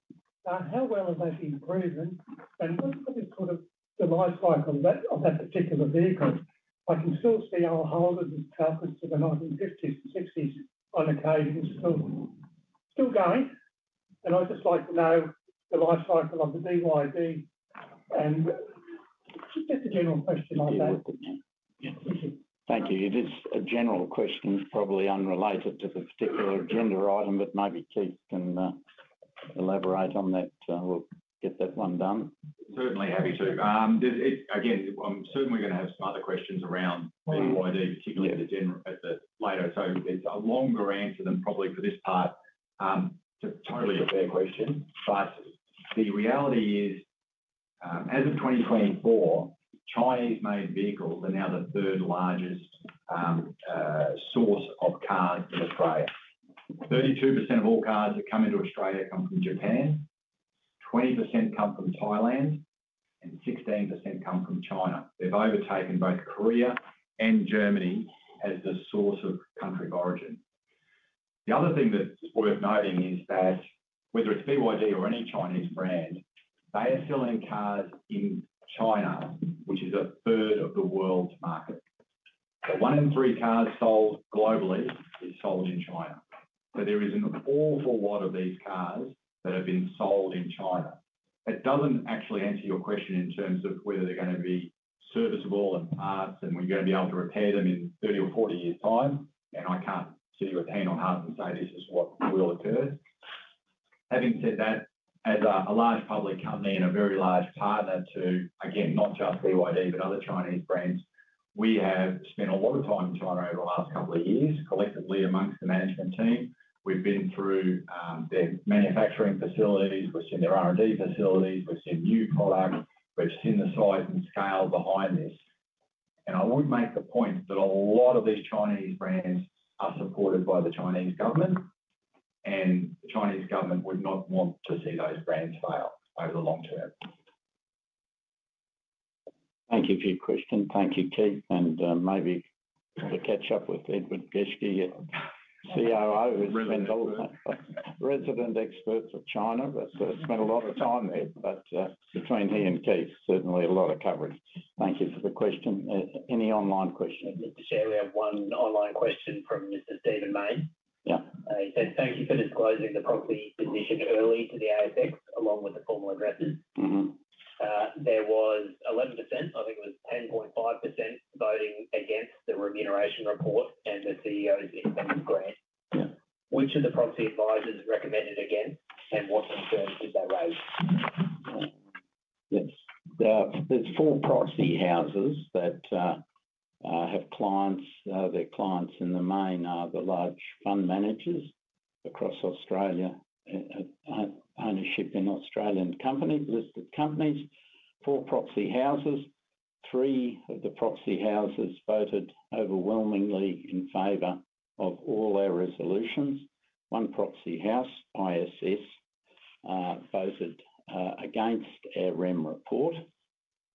How well has that improvement and what is sort of the life cycle of that particular vehicle? I can still see old Holdens as to the 1950s and 1960s on occasion still going. I'd just like to know the life cycle of the BYD and just a general question like that. Thank you. It is a general question, probably unrelated to the particular agenda item, but maybe Keith can elaborate on that. We'll get that one done. Certainly happy to. Again, I'm certainly going to have some other questions around BYD, particularly at the later. It's a longer answer than probably for this part. It's totally a fair question. The reality is, as of 2024, Chinese-made vehicles are now the third largest source of cars in Australia. 32% of all cars that come into Australia come from Japan, 20% come from Thailand, and 16% come from China. They've overtaken both Korea and Germany as the source of country of origin. The other thing that's worth noting is that whether it's BYD or any Chinese brand, they are selling cars in China, which is a third of the world's market. One in three cars sold globally is sold in China. There is an awful lot of these cars that have been sold in China. That doesn't actually answer your question in terms of whether they're going to be serviceable and parts and we're going to be able to repair them in 30 or 40 years' time. I can't see with a hand on heart and say this is what will occur. Having said that, as a large public company and a very large partner to, again, not just BYD but other Chinese brands, we have spent a lot of time in China over the last couple of years collectively amongst the management team. We've been through their manufacturing facilities. We've seen their R&D facilities. We've seen new products. We've seen the size and scale behind this. I would make the point that a lot of these Chinese brands are supported by the Chinese government, and the Chinese government would not want to see those brands fail over the long term. Thank you for your question. Thank you, Keith. Maybe to catch up with Edward Geschke, COO, who's been a resident expert for China, but spent a lot of time there. Between he and Keith, certainly a lot of coverage. Thank you for the question. Any online questions? Just to share, we have one online question from Mr. Stephen May. He said, "Thank you for disclosing the property position early to the ASX along with the formal addresses." There was 11%, I think it was 10.5% voting against the remuneration report and the CEO's incentive grant. Which of the proxy advisors recommended against, and what concerns did they raise? Yes. There are four proxy houses that have clients. Their clients in the main are the large fund managers across Australia, ownership in Australian listed companies. Four proxy houses. Three of the proxy houses voted overwhelmingly in favor of all our resolutions. One proxy house, ISS, voted against our REM report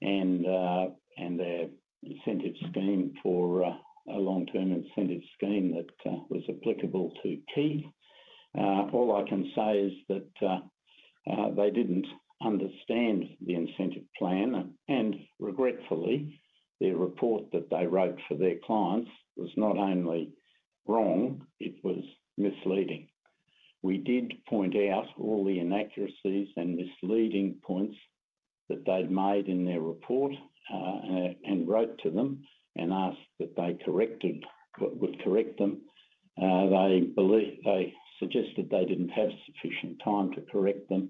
and our incentive scheme for a long-term incentive scheme that was applicable to key. All I can say is that they didn't understand the incentive plan, and regretfully, their report that they wrote for their clients was not only wrong, it was misleading. We did point out all the inaccuracies and misleading points that they'd made in their report and wrote to them and asked that they correct them. They suggested they didn't have sufficient time to correct them.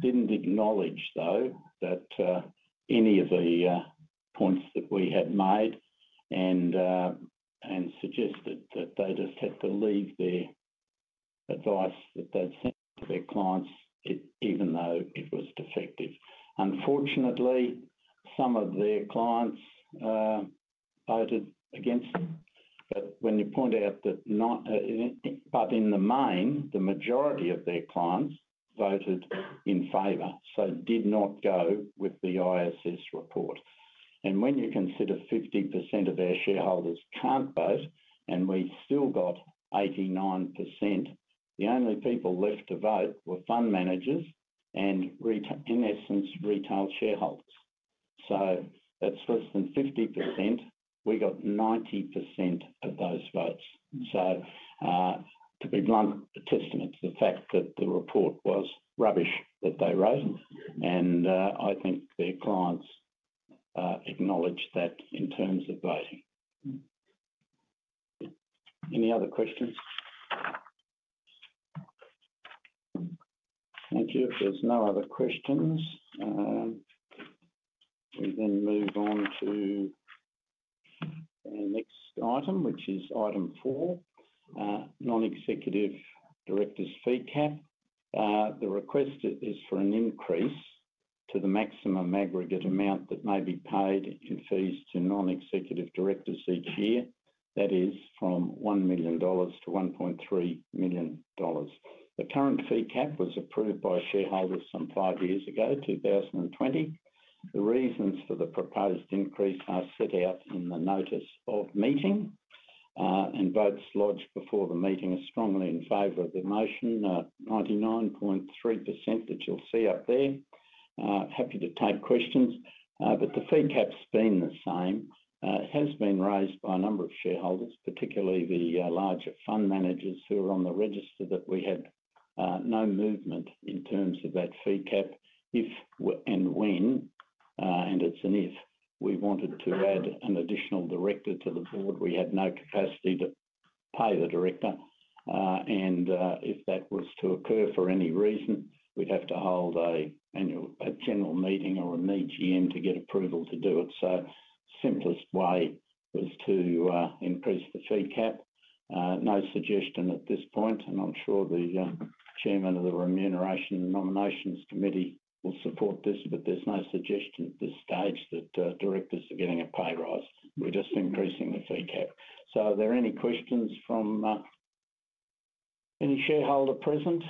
They didn't acknowledge, though, any of the points that we had made and suggested that they just had to leave their advice that they'd sent to their clients, even though it was defective. Unfortunately, some of their clients voted against them. When you point out that, in the main, the majority of their clients voted in favor, they did not go with the ISS report. When you consider 50% of our shareholders can't vote and we still got 89%, the only people left to vote were fund managers and, in essence, retail shareholders. That's less than 50%. We got 90% of those votes. To be blunt, a testament to the fact that the report was rubbish that they wrote. I think their clients acknowledged that in terms of voting. Any other questions? Thank you. If there's no other questions, we then move on to our next item, which is item four, non-executive directors' fee cap. The request is for an increase to the maximum aggregate amount that may be paid in fees to non-executive directors each year. That is from 1 million dollars to 1.3 million dollars. The current fee cap was approved by shareholders some five years ago, 2020. The reasons for the proposed increase are set out in the notice of meeting, and votes lodged before the meeting are strongly in favor of the motion, 99.3% that you'll see up there. Happy to take questions. The fee cap's been the same. It has been raised by a number of shareholders, particularly the larger fund managers who are on the register, that we had no movement in terms of that fee cap. If and when, and it's an if, we wanted to add an additional director to the board, we had no capacity to pay the director. If that was to occur for any reason, we'd have to hold a general meeting or a meeting to get approval to do it. The simplest way was to increase the fee cap. No suggestion at this point. I'm sure the chairman of the remuneration and nominations committee will support this, but there's no suggestion at this stage that directors are getting a pay rise. We're just increasing the fee cap. Are there any questions from any shareholder present?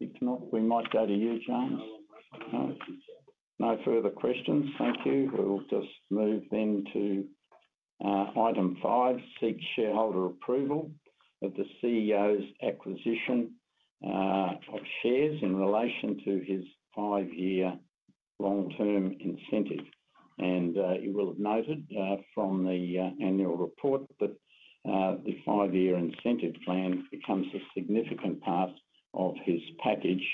If not, we might go to you, James. No further questions. Thank you. We'll just move then to item five, seek shareholder approval of the CEO's acquisition of shares in relation to his five-year long-term incentive. You will have noted from the annual report that the five-year incentive plan becomes a significant part of his package.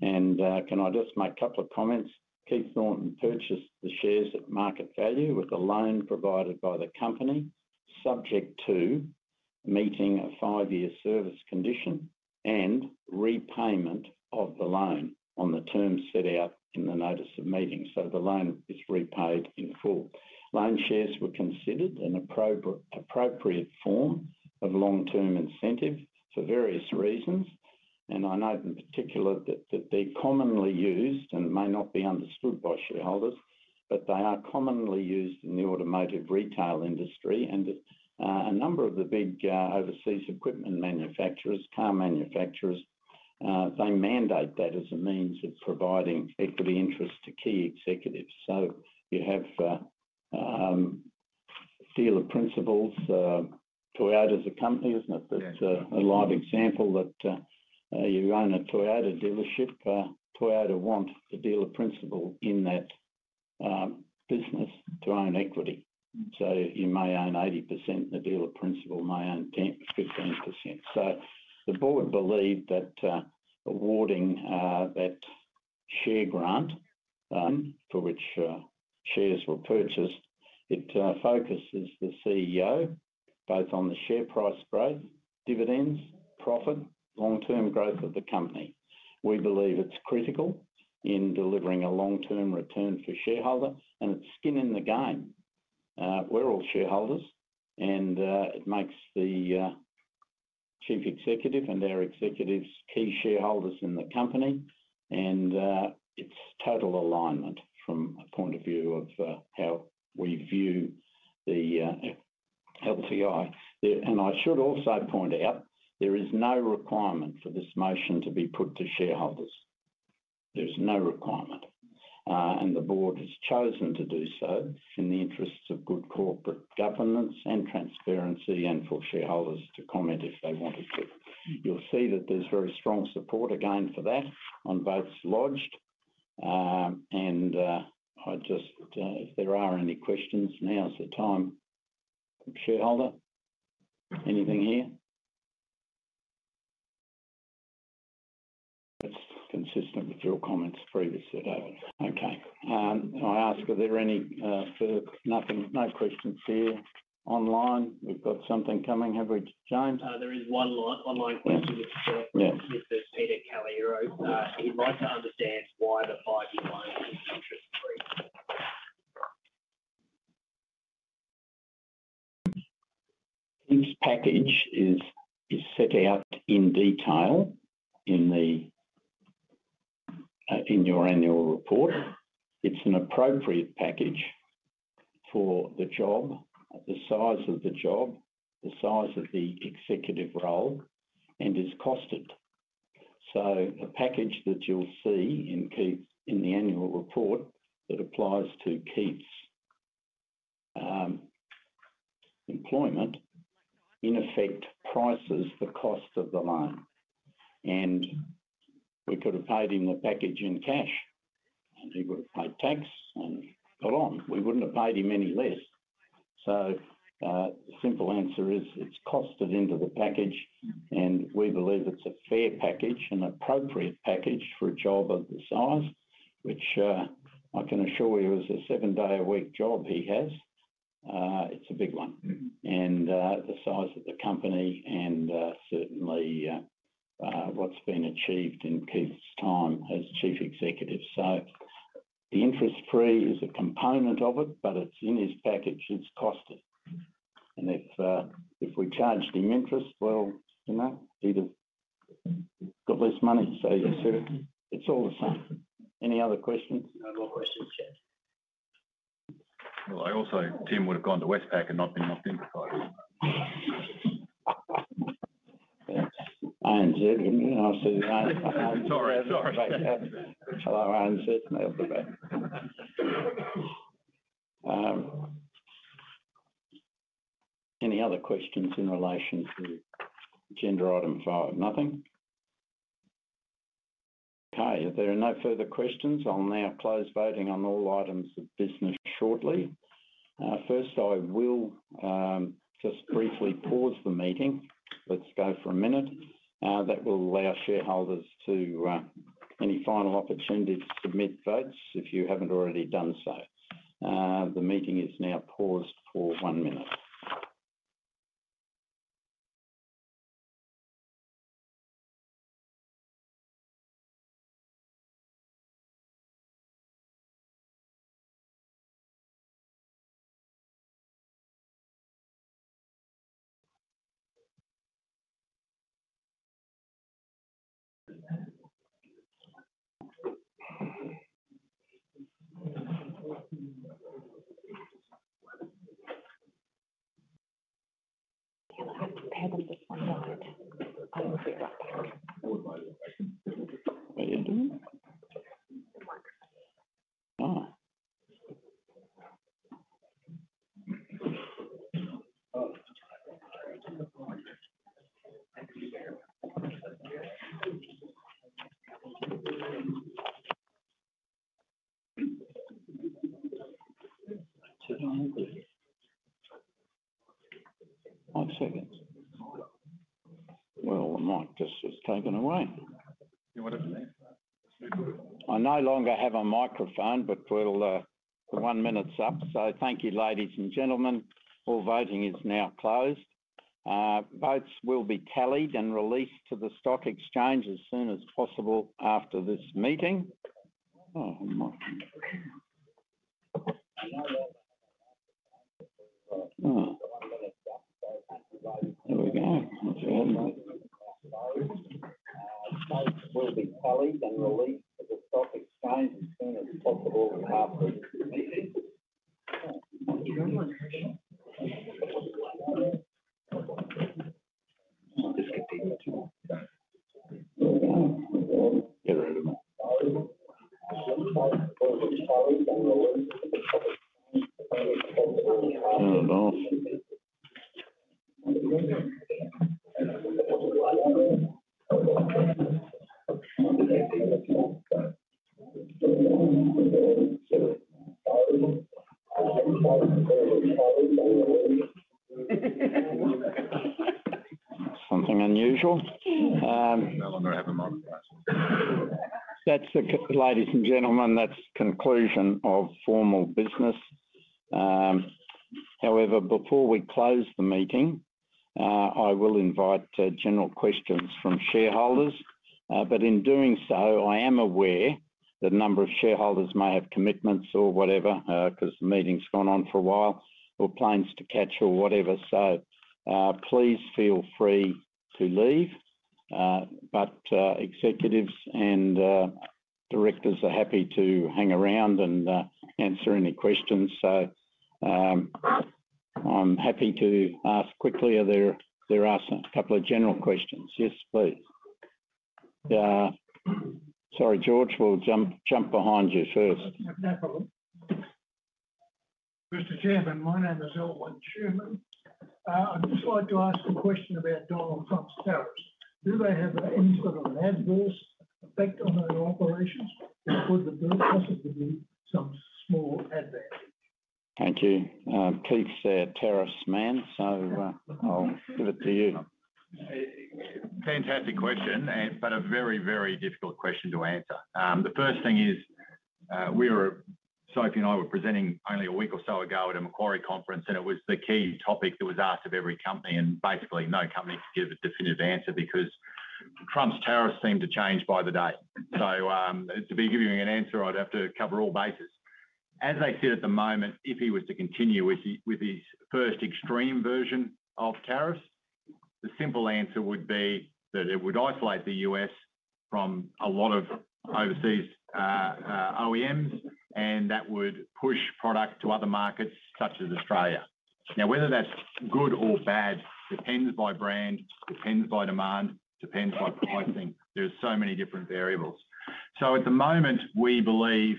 Can I just make a couple of comments? Keith Thornton purchased the shares at market value with a loan provided by the company, subject to meeting a five-year service condition and repayment of the loan on the terms set out in the notice of meeting. The loan is repaid in full. Loan shares were considered an appropriate form of long-term incentive for various reasons. I note in particular that they're commonly used and may not be understood by shareholders, but they are commonly used in the automotive retail industry. A number of the big overseas equipment manufacturers, car manufacturers, mandate that as a means of providing equity interest to key executives. You have dealer principals. Toyota is a company, isn't it? That's a live example that you own a Toyota dealership. Toyota wants the dealer principal in that business to own equity. You may own 80%, and the dealer principal may own 10% or 15%. The board believed that awarding that share grant for which shares were purchased focuses the CEO both on the share price growth, dividends, profit, long-term growth of the company. We believe it's critical in delivering a long-term return for shareholders, and it's skin in the game. We're all shareholders, and it makes the chief executive and our executives key shareholders in the company. It's total alignment from a point of view of how we view the LTI. I should also point out there is no requirement for this motion to be put to shareholders. There's no requirement. The board has chosen to do so in the interests of good corporate governance and transparency and for shareholders to comment if they wanted to. You'll see that there's very strong support again for that on votes lodged. If there are any questions, now's the time. Shareholder, anything here? That's consistent with your comments previously. Okay. I ask, are there any further? No questions here online. We've got something coming. Have we, James? There is one online question with Mr. Keith Calliero. He'd like to understand why the five-year loan is interest-free. This package is set out in detail in your annual report. It's an appropriate package for the job, the size of the job, the size of the executive role, and it's costed. The package that you'll see in the annual report that applies to Keith's employment, in effect, prices the cost of the loan. We could have paid him the package in cash, and he would have paid tax and got on. We wouldn't have paid him any less. The simple answer is it's costed into the package, and we believe it's a fair package and appropriate package for a job of the size, which I can assure you is a seven-day-a-week job he has. It's a big one. The size of the company and certainly what's been achieved in Keith's time as Chief Executive. The interest-free is a component of it, but it's in his package. It's costed. If we charged him interest, he'd have got less money. It's all the same. Any other questions? No more questions, Chair. I also think Tim would have gone to Westpac and not been identified. Ironshearden. Sorry. Sorry. Hello, Ironshearden. Any other questions in relation to agenda item five? Nothing? Okay. If there are no further questions, I'll now close voting on all items of business. Shortly. First, I will just briefly pause the meeting. Let's go for a minute. That will allow shareholders any final opportunity to submit votes if you haven't already done so. The meeting is now paused for one minute. One second. The mic just was taken away. You wanted to leave? I no longer have a microphone, but the one minute's up. Thank you, ladies and gentlemen. All voting is now closed. Votes will be tallied and released to the stock exchange as soon as possible after this meeting. There we go. Votes will be tallied and released to the stock exchange as soon as possible after this meeting. Something unusual. No longer have a microphone. Ladies and gentlemen, that's the conclusion of formal business. However, before we close the meeting, I will invite general questions from shareholders. In doing so, I am aware that a number of shareholders may have commitments or whatever because the meeting's gone on for a while or plans to catch or whatever. Please feel free to leave. Executives and directors are happy to hang around and answer any questions. I'm happy to ask quickly, are there a couple of general questions? Yes, please. Sorry, George, we'll jump behind you first. No problem. Mr. Chairman, my name is Elwyn Sherman. I'd just like to ask a question about Donald Trump's tariffs. Do they have any sort of adverse effect on their operations? Could there possibly be some small advantage? Thank you. Keith's a tariffs man, so I'll give it to you. Fantastic question, but a very, very difficult question to answer. The first thing is, we were, Sophie and I were presenting only a week or so ago at a Macquarie conference, and it was the key topic that was asked of every company. Basically, no company could give a definitive answer because Trump's tariffs seem to change by the day. To be giving you an answer, I'd have to cover all bases. As they sit at the moment, if he was to continue with his first extreme version of tariffs, the simple answer would be that it would isolate the U.S. from a lot of overseas OEMs, and that would push product to other markets such as Australia. Now, whether that's good or bad depends by brand, depends by demand, depends by pricing. There are so many different variables. At the moment, we believe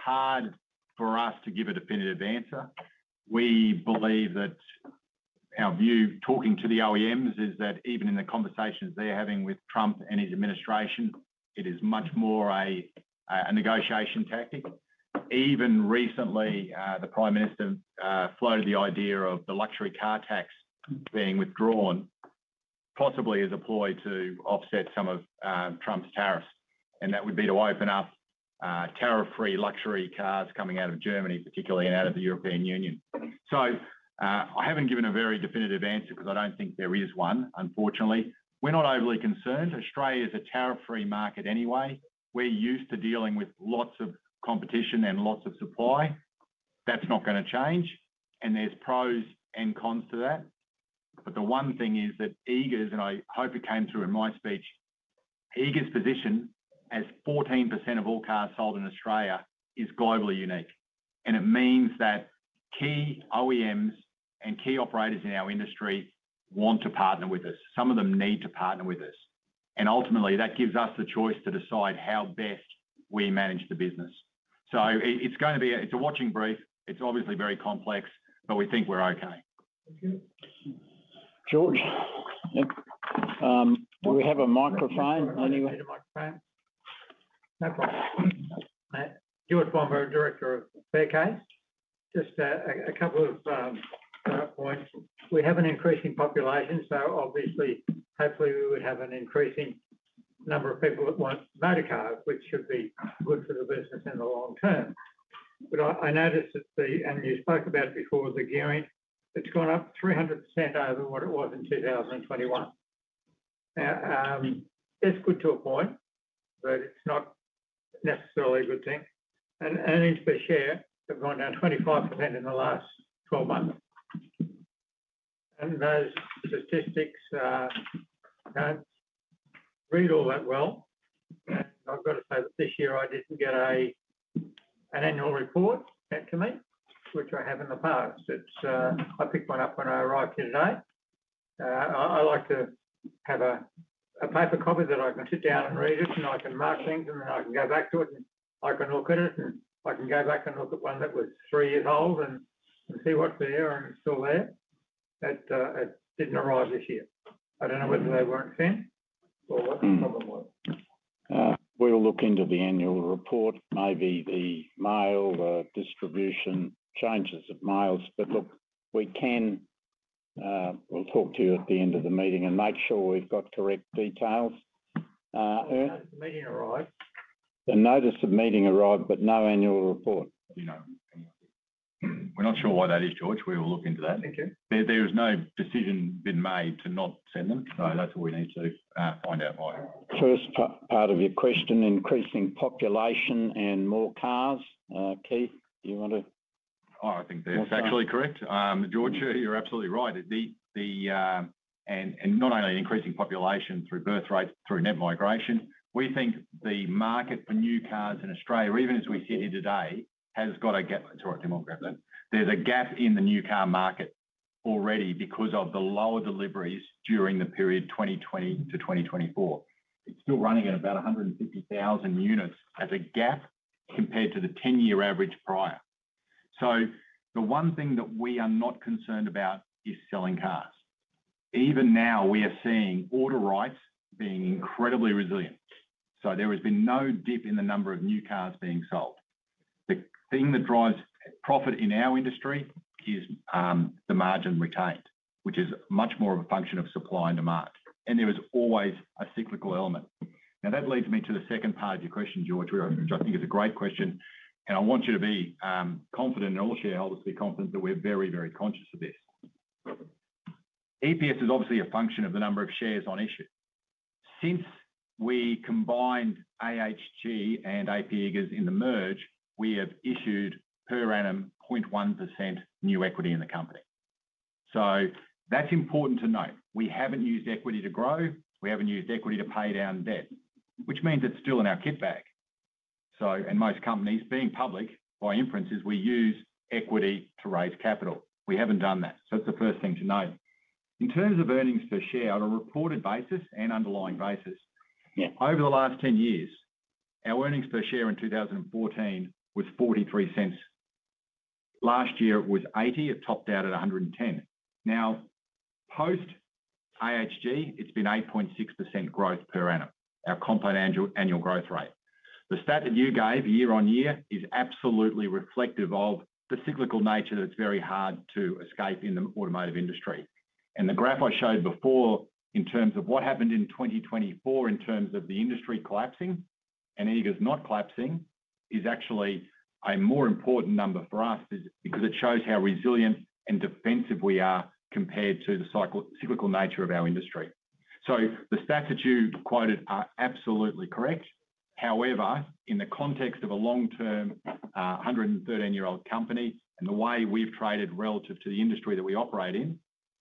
it's hard for us to give a definitive answer. We believe that our view, talking to the OEMs, is that even in the conversations they're having with Trump and his administration, it is much more a negotiation tactic. Even recently, the Prime Minister floated the idea of the luxury car tax being withdrawn, possibly as a ploy to offset some of Trump's tariffs. That would be to open up tariff-free luxury cars coming out of Germany, particularly and out of the European Union. I have not given a very definitive answer because I do not think there is one, unfortunately. We are not overly concerned. Australia is a tariff-free market anyway. We are used to dealing with lots of competition and lots of supply. That is not going to change. There are pros and cons to that. The one thing is that Eagers, and I hope it came through in my speech, Eagers' position as 14% of all cars sold in Australia is globally unique. It means that key OEMs and key operators in our industry want to partner with us. Some of them need to partner with us. Ultimately, that gives us the choice to decide how best we manage the business. It is a watching brief. It's obviously very complex, but we think we're okay. Thank you. George, do we have a microphone? Anyone? No problem. George Mortimer, Director of Fair Acres. Just a couple of points. We have an increasing population, so obviously, hopefully, we would have an increasing number of people that want motorcars, which should be good for the business in the long term. I noticed that the—and you spoke about it before—the gearing has gone up 300% over what it was in 2021. That's good to a point, but it's not necessarily a good thing. Earnings per share have gone down 25% in the last 12 months. Those statistics aren't read all that well. I've got to say that this year, I didn't get an annual report sent to me, which I have in the past. I picked one up when I arrived here today. I like to have a paper copy that I can sit down and read it, and I can mark things, and then I can go back to it, and I can look at it, and I can go back and look at one that was three years old and see what's there and it's still there. That didn't arrive this year. I don't know whether they weren't sent or what the problem was. We'll look into the annual report, maybe the mail, the distribution changes of miles. Look, we can—we'll talk to you at the end of the meeting and make sure we've got correct details. The meeting arrived. The notice of meeting arrived, but no annual report. We're not sure why that is, George. We will look into that. There has no decision been made to not send them. That's all we need to find out why. First part of your question, increasing population and more cars. Keith, do you want to? Oh, I think that's actually correct. George, you're absolutely right. Not only increasing population through birth rates, through net migration, we think the market for new cars in Australia, even as we sit here today, has got a gap, sorry, demographically. There is a gap in the new car market already because of the lower deliveries during the period 2020 to 2024. It is still running at about 150,000 units as a gap compared to the 10-year average prior. The one thing that we are not concerned about is selling cars. Even now, we are seeing auto rights being incredibly resilient. There has been no dip in the number of new cars being sold. The thing that drives profit in our industry is the margin retained, which is much more of a function of supply and demand. There is always a cyclical element. That leads me to the second part of your question, George, which I think is a great question. I want you to be confident, and all shareholders to be confident that we're very, very conscious of this. EPS is obviously a function of the number of shares on issue. Since we combined AHG and Eagers in the merge, we have issued per annum 0.1% new equity in the company. That's important to note. We haven't used equity to grow. We haven't used equity to pay down debt, which means it's still in our kit bag. Most companies, being public by inference, use equity to raise capital. We haven't done that. That's the first thing to note. In terms of earnings per share, on a reported basis and underlying basis, over the last 10 years, our earnings per share in 2014 was 0.43. Last year, it was 0.80. It topped out at 1.10. Now, post AHG, it's been 8.6% growth per annum, our compound annual growth rate. The stat that you gave year on year is absolutely reflective of the cyclical nature that it's very hard to escape in the automotive industry. The graph I showed before in terms of what happened in 2024, in terms of the industry collapsing and Eagers not collapsing, is actually a more important number for us because it shows how resilient and defensive we are compared to the cyclical nature of our industry. The stats that you quoted are absolutely correct. However, in the context of a long-term 113-year-old company and the way we've traded relative to the industry that we operate in,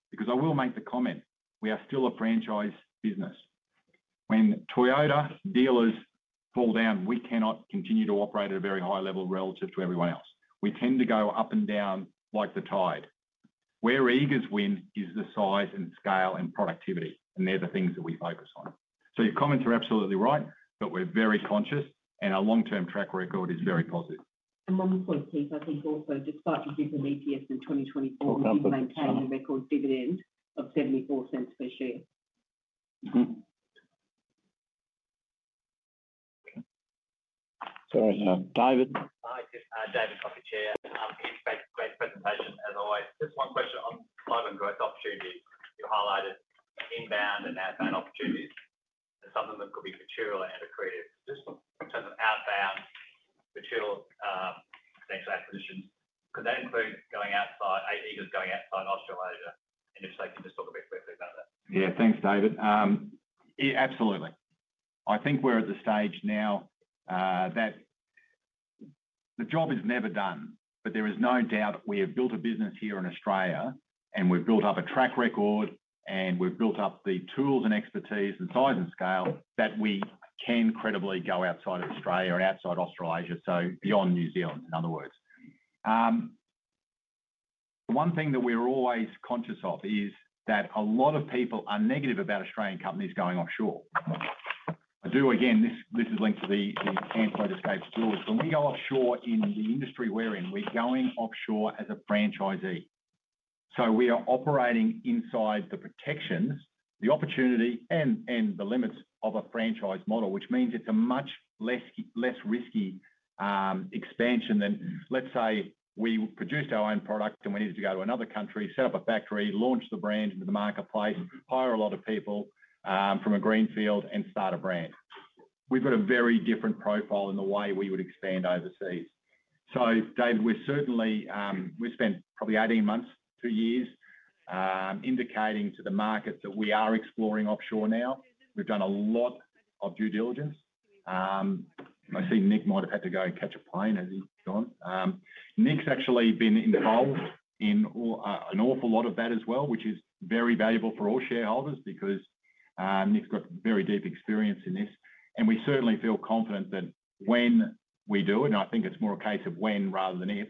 because I will make the comment, we are still a franchise business. When Toyota dealers fall down, we cannot continue to operate at a very high level relative to everyone else. We tend to go up and down like the tide. Where Eagers win is the size and scale and productivity, and they're the things that we focus on. Your comments are absolutely right, but we're very conscious, and our long-term track record is very positive. One point, Keith, I think also, despite the different EPS in 2024, we've maintained a record dividend of 0.74 per share. Sorry, David. Hi, David Coffey, Chair. Great presentation, as always. Just one question on private growth opportunities. You highlighted inbound and outbound opportunities. It's something that could be material and accretive. Just in terms of outbound material potential acquisitions, could that include going outside Eagers, going outside Australasia? And if so, can you just talk a bit quickly about that? Yeah, thanks, David. Absolutely. I think we're at the stage now that the job is never done, but there is no doubt that we have built a business here in Australia, and we've built up a track record, and we've built up the tools and expertise and size and scale that we can credibly go outside of Australia and outside Australasia, so beyond New Zealand, in other words. One thing that we're always conscious of is that a lot of people are negative about Australian companies going offshore. I do, again, this is linked to the answer I just gave to George. When we go offshore in the industry we're in, we're going offshore as a franchisee. We are operating inside the protections, the opportunity, and the limits of a franchise model, which means it's a much less risky expansion than, let's say, we produced our own product and we needed to go to another country, set up a factory, launch the brand into the marketplace, hire a lot of people from a greenfield, and start a brand. We've got a very different profile in the way we would expand overseas. David, we've spent probably 18 months to two years indicating to the market that we are exploring offshore now. We've done a lot of due diligence. I see Nick might have had to go and catch a plane as he's gone. Nick's actually been involved in an awful lot of that as well, which is very valuable for all shareholders because Nick's got very deep experience in this. We certainly feel confident that when we do it, and I think it's more a case of when rather than if,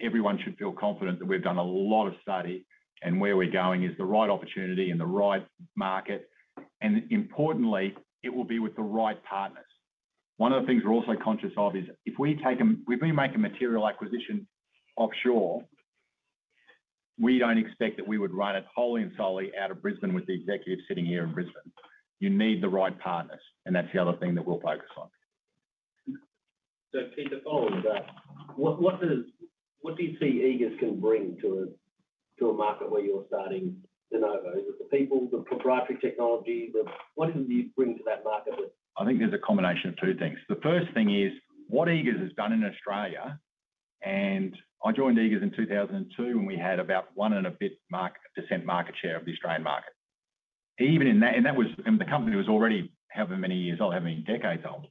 everyone should feel confident that we've done a lot of study and where we're going is the right opportunity in the right market. Importantly, it will be with the right partners. One of the things we're also conscious of is if we make a material acquisition offshore, we don't expect that we would run it wholly and solely out of Brisbane with the executive sitting here in Brisbane. You need the right partners, and that's the other thing that we'll focus on. Keith, following that, what do you see Eagers can bring to a market where you're starting de novo? Is it the people, the proprietary technology? What do you think you bring to that market? I think there's a combination of two things. The first thing is what Eagers has done in Australia. I joined Eagers in 2002 when we had about one and a bit % market share of the Australian market. That was, and the company was already however many years old, however many decades old.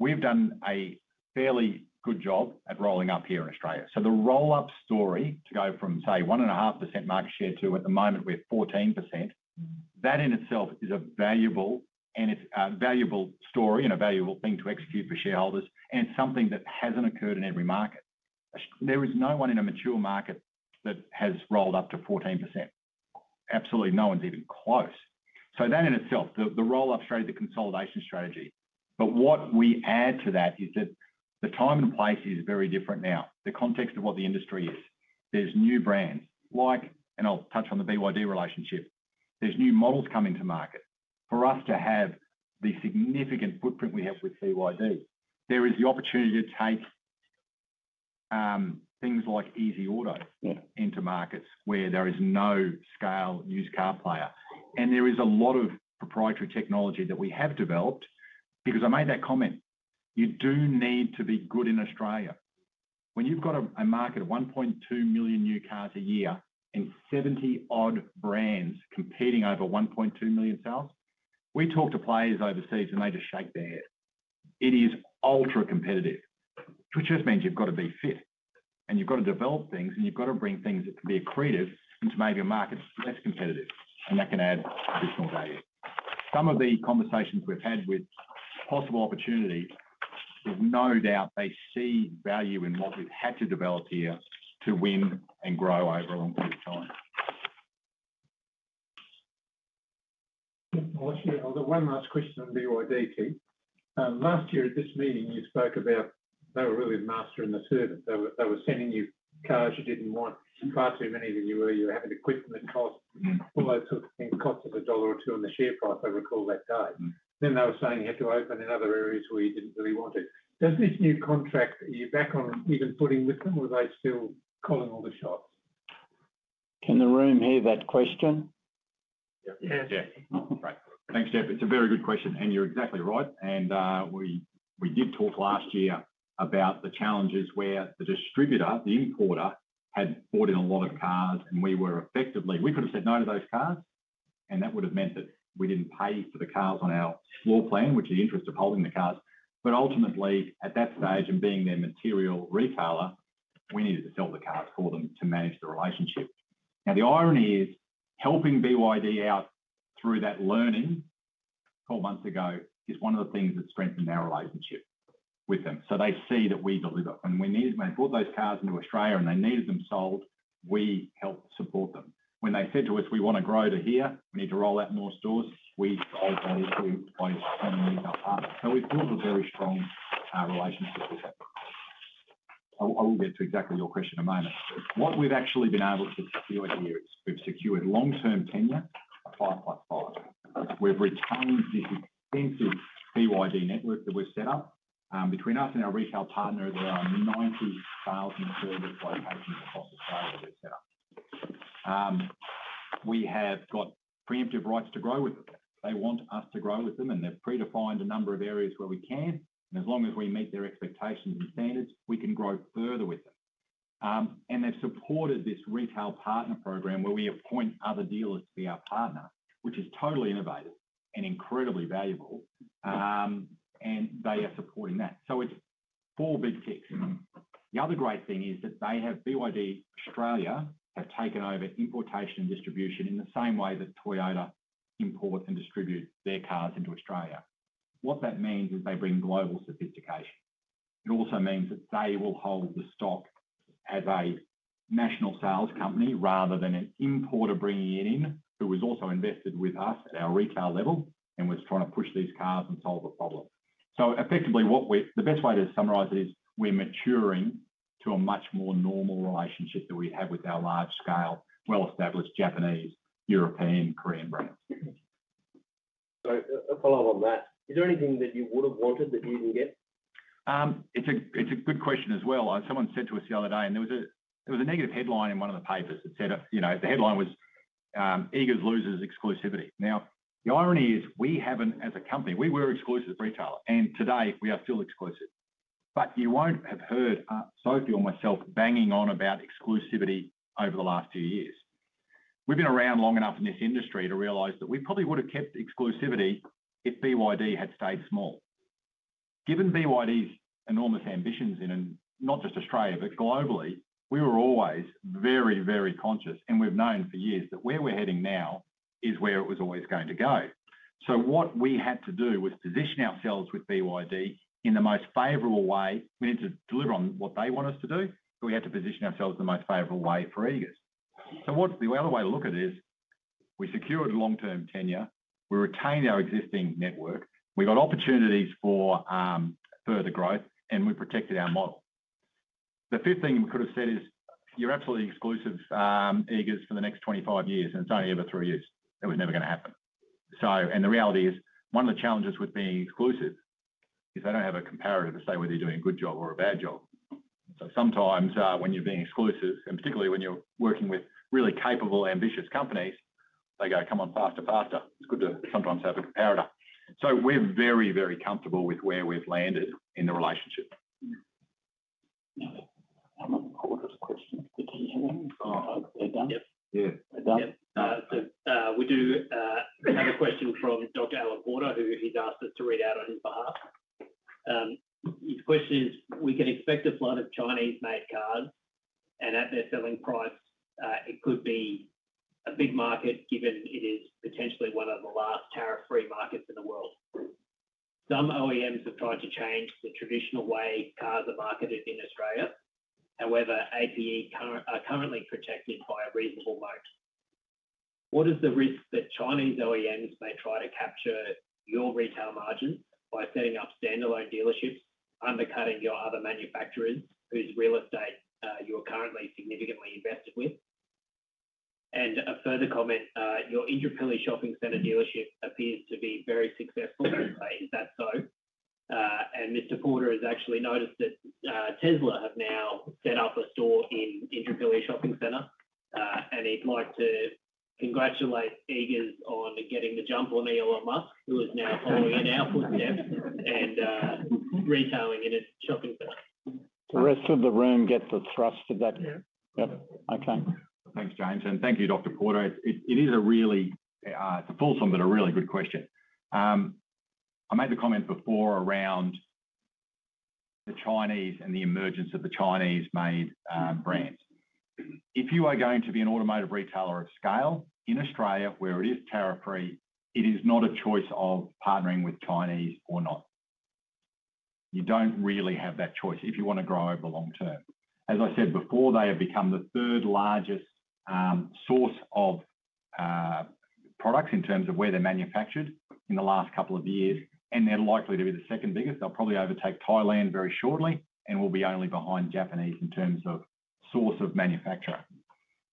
We've done a fairly good job at rolling up here in Australia. The roll-up story to go from, say, one and a half % market share to, at the moment, we're 14%. That in itself is a valuable story and a valuable thing to execute for shareholders, and it's something that hasn't occurred in every market. There is no one in a mature market that has rolled up to 14%. Absolutely no one's even close. That in itself, the roll-up strategy, the consolidation strategy. What we add to that is that the time and place is very different now. The context of what the industry is. There are new brands, and I'll touch on the BYD relationship. There are new models coming to market. For us to have the significant footprint we have with BYD, there is the opportunity to take things like Easy Auto into markets where there is no scale used car player. There is a lot of proprietary technology that we have developed because I made that comment. You do need to be good in Australia. When you've got a market of 1.2 million new cars a year and 70-odd brands competing over 1.2 million sales, we talk to players overseas and they just shake their head. It is ultra-competitive, which just means you've got to be fit, and you've got to develop things, and you've got to bring things that can be accretive into maybe a market that's less competitive, and that can add additional value. Some of the conversations we've had with possible opportunities, there's no doubt they see value in what we've had to develop here to win and grow over a long period of time. I'll ask you one last question on BYD, Keith. Last year at this meeting, you spoke about they were really mastering the service. They were sending you cars you did not want, far too many that you were having to quit them at cost, all those sorts of things, cost us a dollar or two on the share price, I recall that day. They were saying you had to open in other areas where you did not really want it. Does this new contract, are you back on even footing with them, or are they still calling all the shots? Can the room hear that question? Yes. Yeah. Thanks, Jeff. It is a very good question, and you are exactly right. We did talk last year about the challenges where the distributor, the importer, had bought in a lot of cars, and we were effectively—we could have said no to those cars, and that would have meant that we did not pay for the cars on our floor plan, which is the interest of holding the cars. Ultimately, at that stage and being their material retailer, we needed to sell the cars for them to manage the relationship. The irony is helping BYD out through that learning four months ago is one of the things that strengthened our relationship with them. They see that we deliver. When they brought those cars into Australia and they needed them sold, we helped support them. When they said to us, "We want to grow to here. We need to roll out more stores," we sold that into a new car partner. We have built a very strong relationship with them. I will get to exactly your question in a moment. What we have actually been able to secure here is we have secured long-term tenure, a 5 plus 5. We have retained this extensive BYD network that we have set up. Between us and our retail partners, there are 90,000 service locations across Australia that we have set up. We have got preemptive rights to grow with them. They want us to grow with them, and they have predefined a number of areas where we can. As long as we meet their expectations and standards, we can grow further with them. They have supported this retail partner program where we appoint other dealers to be our partner, which is totally innovative and incredibly valuable, and they are supporting that. It is four big picks. The other great thing is that BYD Australia have taken over importation and distribution in the same way that Toyota imports and distributes their cars into Australia. What that means is they bring global sophistication. It also means that they will hold the stock as a national sales company rather than an importer bringing it in who was also invested with us at our retail level and was trying to push these cars and solve a problem. Effectively, the best way to summarize it is we're maturing to a much more normal relationship that we have with our large-scale, well-established Japanese, European, Korean brands. A follow-up on that. Is there anything that you would have wanted that you didn't get? It's a good question as well. Someone said to us the other day, and there was a negative headline in one of the papers that said the headline was, "Eagers loses exclusivity." Now, the irony is we haven't, as a company, we were exclusive retailer, and today we are still exclusive. You won't have heard Sophie or myself banging on about exclusivity over the last few years. We've been around long enough in this industry to realize that we probably would have kept exclusivity if BYD had stayed small. Given BYD's enormous ambitions in not just Australia, but globally, we were always very, very conscious, and we've known for years that where we're heading now is where it was always going to go. What we had to do was position ourselves with BYD in the most favorable way. We need to deliver on what they want us to do, but we had to position ourselves in the most favorable way for Eagers. The other way to look at it is we secured long-term tenure, we retained our existing network, we got opportunities for further growth, and we protected our model. The fifth thing we could have said is, "You're absolutely exclusive, Eagers, for the next 25 years," and it's only ever three years. It was never going to happen. The reality is one of the challenges with being exclusive is they do not have a comparator to say whether you're doing a good job or a bad job. Sometimes when you're being exclusive, and particularly when you're working with really capable, ambitious companies, they go, "Come on, faster, faster." It's good to sometimes have a comparator. We're very, very comfortable with where we've landed in the relationship. I'm on the corner of the questions. They're done. Yeah. They're done. We do have a question from Dr. Alan Porter, who has asked us to read out on his behalf. His question is, "We can expect a flood of Chinese-made cars, and at their selling price, it could be a big market given it is potentially one of the last tariff-free markets in the world. Some OEMs have tried to change the traditional way cars are marketed in Australia. However, APE are currently protected by a reasonable moat. What is the risk that Chinese OEMs may try to capture your retail margins by setting up standalone dealerships, undercutting your other manufacturers whose real estate you are currently significantly invested with?" And a further comment, "Your Indooroopilly Shopping Centre dealership appears to be very successful. Is that so?" Mr. Porter has actually noticed that Tesla have now set up a store in Indooroopilly Shopping Centre, and he'd like to congratulate Eagers on getting the jump on Elon Musk, who is now following in our footsteps and retailing in his shopping centre. The rest of the room get the thrust of that? Yep. Yep. Okay. Thanks, James. Thank you, Dr. Porter. It is a really—it's a full-thumb, but a really good question. I made the comment before around the Chinese and the emergence of the Chinese-made brands. If you are going to be an automotive retailer of scale in Australia where it is tariff-free, it is not a choice of partnering with Chinese or not. You don't really have that choice if you want to grow over the long term. As I said before, they have become the third largest source of products in terms of where they're manufactured in the last couple of years, and they're likely to be the second biggest. They'll probably overtake Thailand very shortly and will be only behind Japanese in terms of source of manufacturer.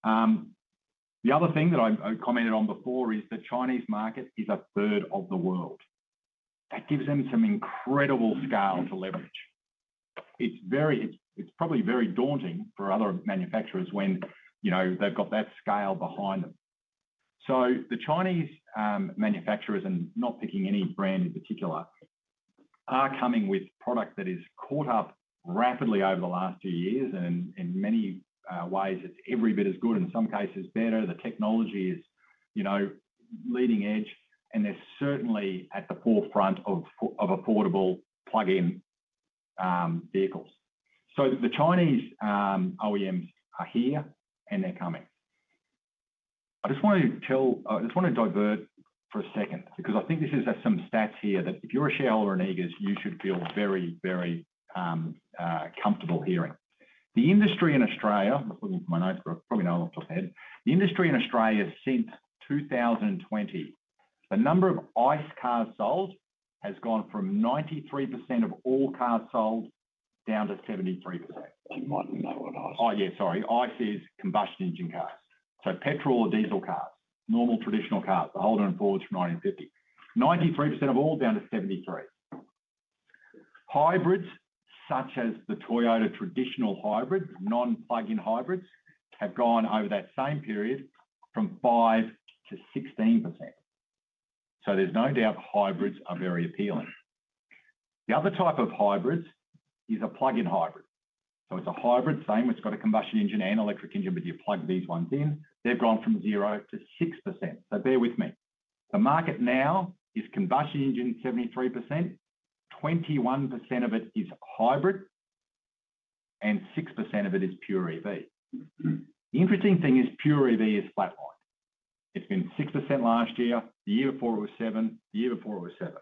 The other thing that I commented on before is the Chinese market is a third of the world. That gives them some incredible scale to leverage. It's probably very daunting for other manufacturers when they've got that scale behind them. The Chinese manufacturers, and not picking any brand in particular, are coming with product that has caught up rapidly over the last two years, and in many ways, it's every bit as good, in some cases better. The technology is leading edge, and they're certainly at the forefront of affordable plug-in vehicles. The Chinese OEMs are here, and they're coming. I just want to tell—I just want to divert for a second because I think this is some stats here that if you're a shareholder in Eagers, you should feel very, very comfortable hearing. The industry in Australia—I'm just looking for my notes because I probably know off the top of my head—the industry in Australia since 2020, the number of ICE cars sold has gone from 93% of all cars sold down to 73%. You might know what ICE is. Oh, yeah. Sorry. ICE is combustion engine cars. So petrol or diesel cars, normal traditional cars, the Holden and Fords from 1950. 93% of all down to 73%. Hybrids, such as the Toyota traditional hybrid, non-plug-in hybrids, have gone over that same period from 5% to 16%. So there's no doubt hybrids are very appealing. The other type of hybrids is a plug-in hybrid. So it's a hybrid, same; it's got a combustion engine and electric engine, but you plug these ones in. They've gone from 0% to 6%. Bear with me. The market now is combustion engine 73%, 21% of it is hybrid, and 6% of it is pure EV. The interesting thing is pure EV is flatlined. It's been 6% last year, the year before it was 7%, the year before it was 7%.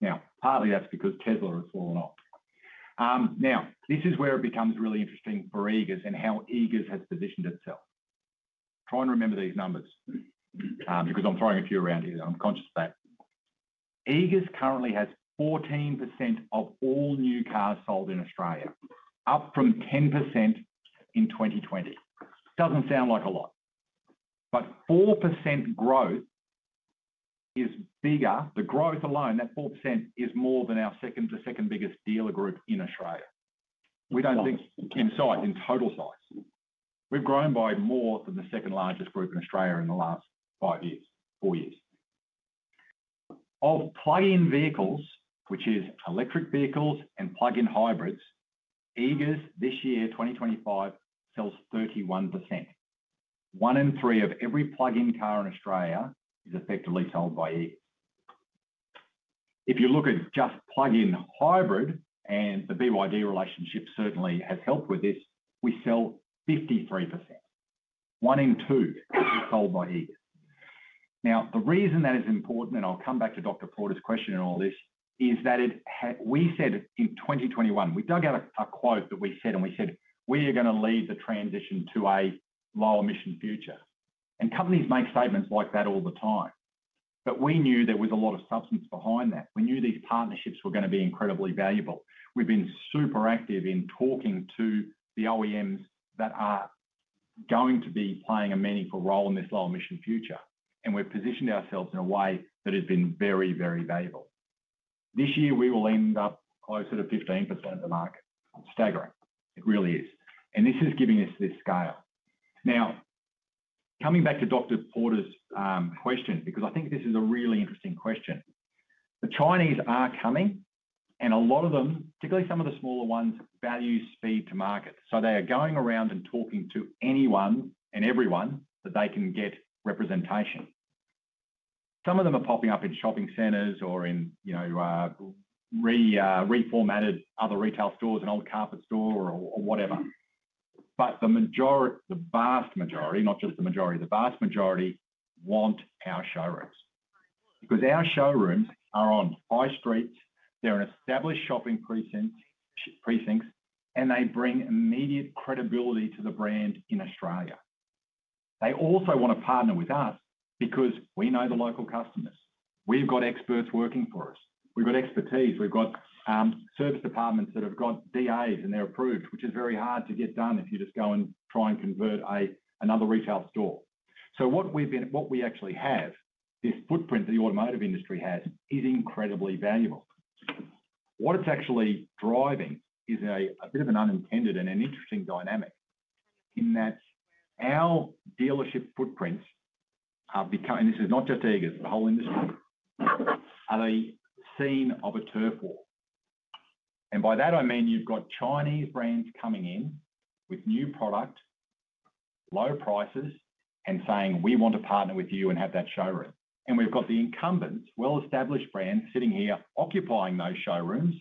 Now, partly that's because Tesla has fallen off. Now, this is where it becomes really interesting for Eagers and how Eagers has positioned itself. Try and remember these numbers because I'm throwing a few around here, and I'm conscious of that. Eagers currently has 14% of all new cars sold in Australia, up from 10% in 2020. Doesn't sound like a lot, but 4% growth is bigger. The growth alone, that 4%, is more than our second-to-second biggest dealer group in Australia. We do not think in size, in total size. We have grown by more than the second-largest group in Australia in the last five years, four years. Of plug-in vehicles, which is electric vehicles and plug-in hybrids, EGAs this year, 2025, sells 31%. One in three of every plug-in car in Australia is effectively sold by EGAs. If you look at just plug-in hybrid, and the BYD relationship certainly has helped with this, we sell 53%. One in two is sold by EGAs. Now, the reason that is important, and I will come back to Dr. Porter's question in all this, is that we said in 2021, we dug out a quote that we said, and we said, "We are going to lead the transition to a low-emission future." Companies make statements like that all the time. We knew there was a lot of substance behind that. We knew these partnerships were going to be incredibly valuable. We've been super active in talking to the OEMs that are going to be playing a meaningful role in this low-emission future, and we've positioned ourselves in a way that has been very, very valuable. This year, we will end up closer to 15% of the market. Staggering. It really is. This is giving us this scale. Now, coming back to Dr. Porter's question, because I think this is a really interesting question. The Chinese are coming, and a lot of them, particularly some of the smaller ones, value speed to market. They are going around and talking to anyone and everyone that they can get representation. Some of them are popping up in shopping centers or in reformatted other retail stores, an old carpet store or whatever. The vast majority, not just the majority, the vast majority want our showrooms because our showrooms are on high streets. They're in established shopping precincts, and they bring immediate credibility to the brand in Australia. They also want to partner with us because we know the local customers. We've got experts working for us. We've got expertise. We've got service departments that have got DAs, and they're approved, which is very hard to get done if you just go and try and convert another retail store. What we actually have, this footprint that the automotive industry has, is incredibly valuable. What it's actually driving is a bit of an unintended and an interesting dynamic in that our dealership footprints are becoming, and this is not just Eagers, the whole industry, are the scene of a turf war. By that, I mean you've got Chinese brands coming in with new product, low prices, and saying, "We want to partner with you and have that showroom." We've got the incumbents, well-established brands sitting here occupying those showrooms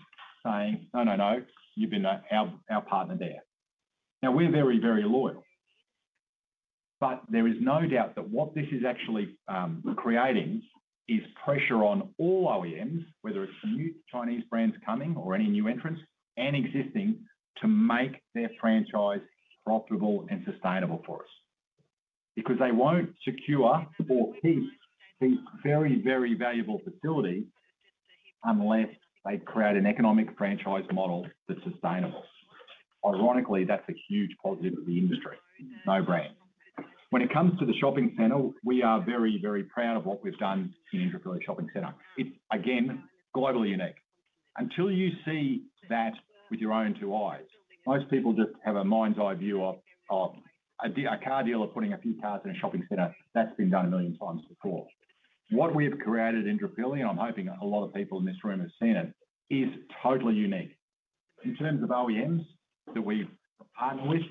saying, "No, no, no. You've been our partner there." Now, we're very, very loyal. There is no doubt that what this is actually creating is pressure on all OEMs, whether it's the new Chinese brands coming or any new entrants and existing, to make their franchise profitable and sustainable for us because they won't secure or keep these very, very valuable facilities unless they create an economic franchise model that's sustainable. Ironically, that's a huge positive to the industry. No brand. When it comes to the shopping centre, we are very, very proud of what we've done in Indooroopilly Shopping Centre. It's, again, globally unique. Until you see that with your own two eyes, most people just have a mind's-eye view of a car dealer putting a few cars in a shopping centre. That's been done a million times before. What we have created in Indooroopilly, and I'm hoping a lot of people in this room have seen it, is totally unique. In terms of OEMs that we partner with,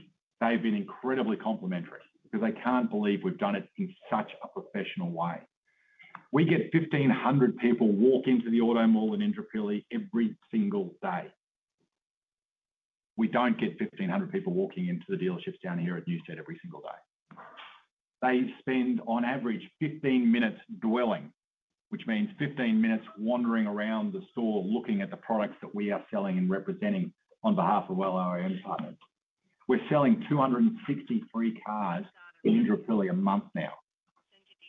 they've been incredibly complimentary because they can't believe we've done it in such a professional way. We get 1,500 people walk into the auto mall in Indooroopilly every single day. We don't get 1,500 people walking into the dealerships down here at Newstead every single day. They spend, on average, 15 minutes dwelling, which means 15 minutes wandering around the store looking at the products that we are selling and representing on behalf of our OEM partners. We're selling 263 cars in Indooroopilly a month now.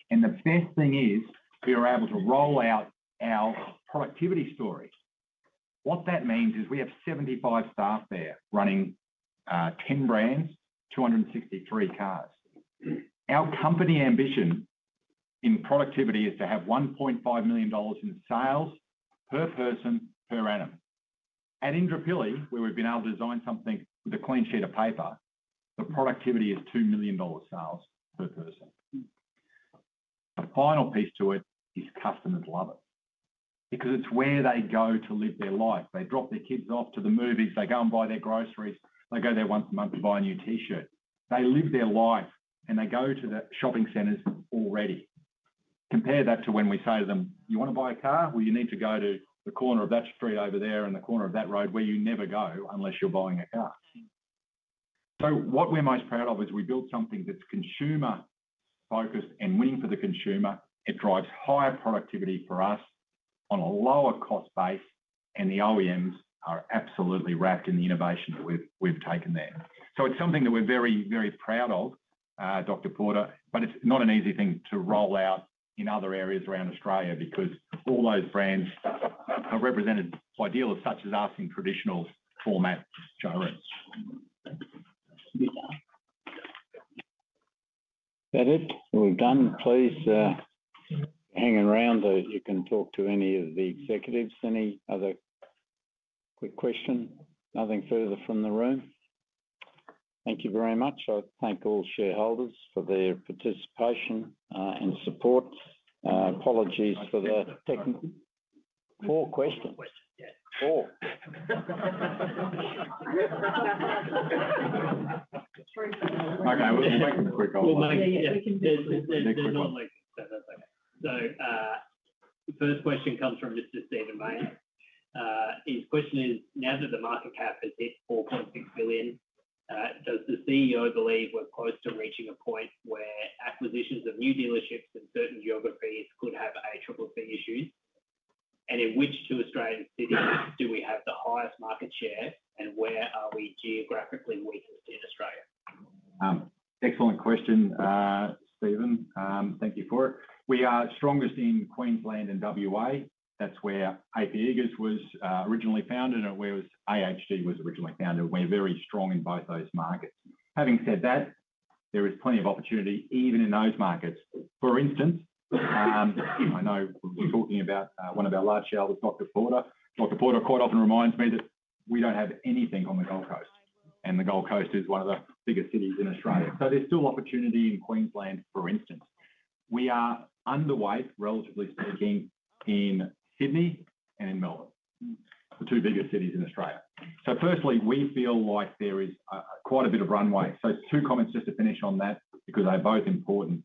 The best thing is we are able to roll out our productivity story. What that means is we have 75 staff there running 10 brands, 263 cars. Our company ambition in productivity is to have 1.5 million dollars in sales per person per annum. At Indooroopilly, where we've been able to design something with a clean sheet of paper, the productivity is 2 million dollars sales per person. The final piece to it is customers love it because it's where they go to live their life. They drop their kids off to the movies. They go and buy their groceries. They go there once a month to buy a new T-shirt. They live their life, and they go to the shopping centres already. Compare that to when we say to them, "You want to buy a car? You need to go to the corner of that street over there and the corner of that road where you never go unless you're buying a car." What we're most proud of is we build something that's consumer-focused and winning for the consumer. It drives higher productivity for us on a lower-cost base, and the OEMs are absolutely wrapped in the innovation that we've taken there. It is something that we're very, very proud of, Dr. Porter, but it's not an easy thing to roll out in other areas around Australia because all those brands are represented. Ideal as such as us in traditional format showrooms. That it. We're done. Please hang around so that you can talk to any of the executives. Any other quick question? Nothing further from the room? Thank you very much. I thank all shareholders for their participation and support. Apologies for the technical. Four questions. Four. Okay. We'll make it. We can do it. That's okay. The first question comes from Mr. Stephen May. His question is, "Now that the market cap has hit 4.6 billion, does the CEO believe we're close to reaching a point where acquisitions of new dealerships in certain geographies could have ACCC issues? And in which two Australian cities do we have the highest market share, and where are we geographically weakest in Australia?" Excellent question, Stephen. Thank you for it. We are strongest in Queensland and WA. That's where AP Eagers was originally founded and where AHG was originally founded. We're very strong in both those markets. Having said that, there is plenty of opportunity even in those markets. For instance, I know we were talking about one of our large shareholders, Dr. Porter. Dr. Porter quite often reminds me that we don't have anything on the Gold Coast, and the Gold Coast is one of the biggest cities in Australia. There is still opportunity in Queensland, for instance. We are underway, relatively speaking, in Sydney and in Melbourne, the two biggest cities in Australia. Firstly, we feel like there is quite a bit of runway. Two comments just to finish on that because they're both important.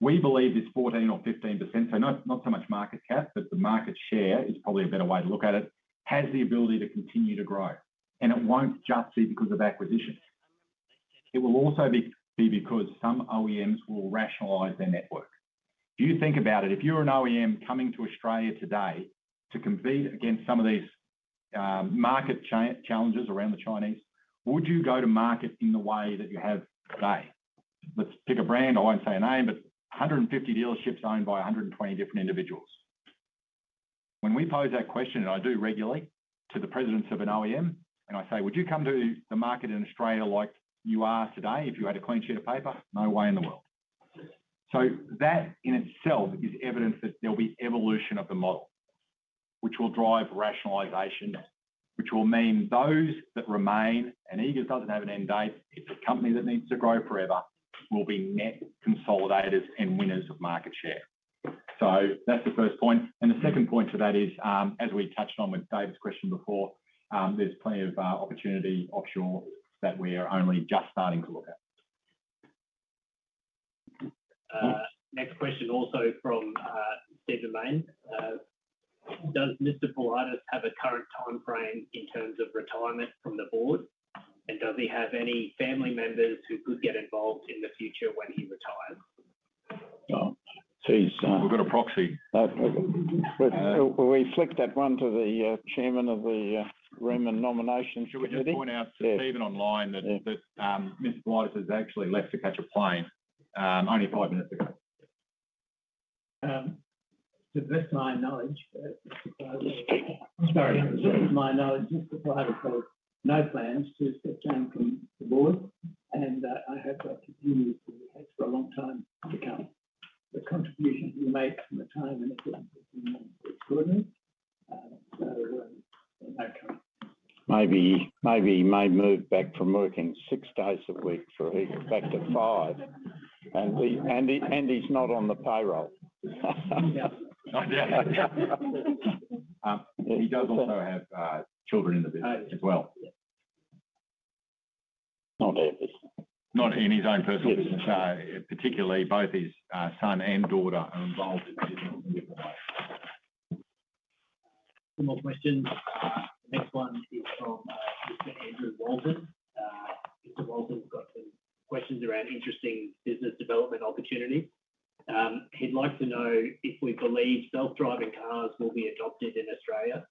We believe this 14% or 15%—so not so much market cap, but the market share is probably a better way to look at it—has the ability to continue to grow. It will not just be because of acquisitions. It will also be because some OEMs will rationalize their network. If you think about it, if you are an OEM coming to Australia today to compete against some of these market challenges around the Chinese, would you go to market in the way that you have today? Let's pick a brand. I will not say a name, but 150 dealerships owned by 120 different individuals. When we pose that question, and I do regularly, to the presidents of an OEM, and I say, "Would you come to the market in Australia like you are today if you had a clean sheet of paper?" No way in the world. That in itself is evidence that there'll be evolution of the model, which will drive rationalization, which will mean those that remain—Eagers doesn't have an end date—it's a company that needs to grow forever will be net consolidators and winners of market share. That's the first point. The second point to that is, as we touched on with David's question before, there's plenty of opportunity offshore that we are only just starting to look at. Next question also from Stephen May. Does Mr. Politis have a current timeframe in terms of retirement from the board? And does he have any family members who could get involved in the future when he retires? We've got a proxy. We flicked that one to the Chairman of the Room and Nomination Committee. Should we just point out to Stephen online that Mr. Politis has actually left to catch a plane only five minutes ago. To the best of my knowledge, Mr. Politis—sorry, to the best of my knowledge, Mr. Politis has no plans to step down from the board, and I hope he continues to be head for a long time to come. The contribution he makes and the time and effort is extraordinary. No comment. Maybe he may move back from working six days a week for back to five. He's not on the payroll. He does also have children in the business as well. Not in his business. Not in his own personal business. Particularly, both his son and daughter are involved in business in the business. Some more questions. Next one is from Mr. Andrew Walton. Mr. Walton's got some questions around interesting business development opportunities. He'd like to know if we believe self-driving cars will be adopted in Australia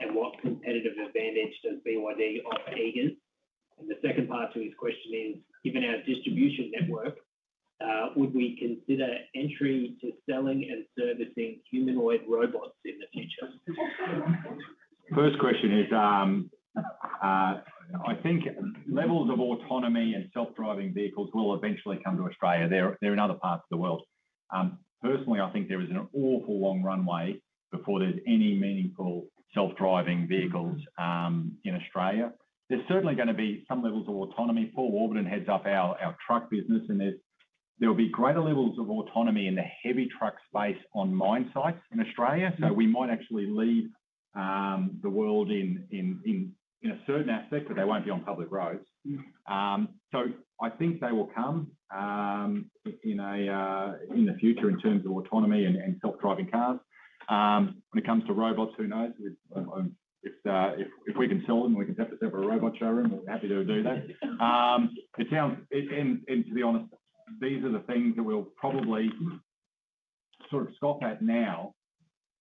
and what competitive advantage does BYD offer Eagers. The second part to his question is, given our distribution network, would we consider entry to selling and servicing humanoid robots in the future? First question is, I think levels of autonomy and self-driving vehicles will eventually come to Australia. They're in other parts of the world. Personally, I think there is an awful long runway before there's any meaningful self-driving vehicles in Australia. There's certainly going to be some levels of autonomy. Paul Walden heads up our truck business, and there will be greater levels of autonomy in the heavy truck space on mine sites in Australia. We might actually lead the world in a certain aspect, but they won't be on public roads. I think they will come in the future in terms of autonomy and self-driving cars. When it comes to robots, who knows? If we can sell them, we can have a robot showroom. We're happy to do that. To be honest, these are the things that we'll probably sort of scoff at now,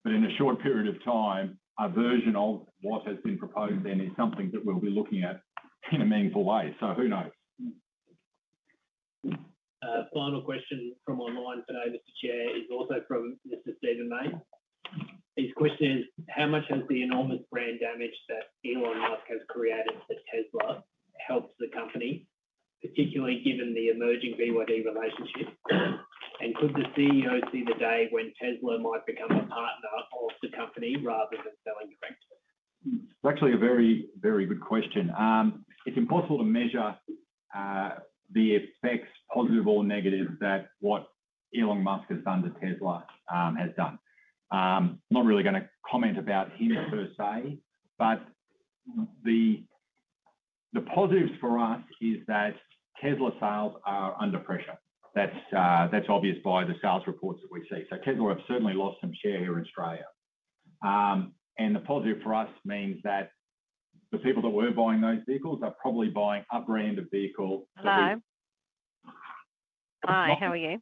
but in a short period of time, a version of what has been proposed then is something that we'll be looking at in a meaningful way. Who knows? Final question from online today, Mr. Chair, is also from Mr. Stephen May. His question is, "How much has the enormous brand damage that Elon Musk has created for Tesla helped the company, particularly given the emerging BYD relationship? And could the CEO see the day when Tesla might become a partner of the company rather than selling direct?" It's actually a very, very good question. It's impossible to measure the effects, positive or negative, that what Elon Musk has done to Tesla has done. I'm not really going to comment about him per se, but the positives for us is that Tesla sales are under pressure. That's obvious by the sales reports that we see. Tesla have certainly lost some share here in Australia. The positive for us means that the people that were buying those vehicles are probably buying upper-end vehicles. Hello. Hi. How are you?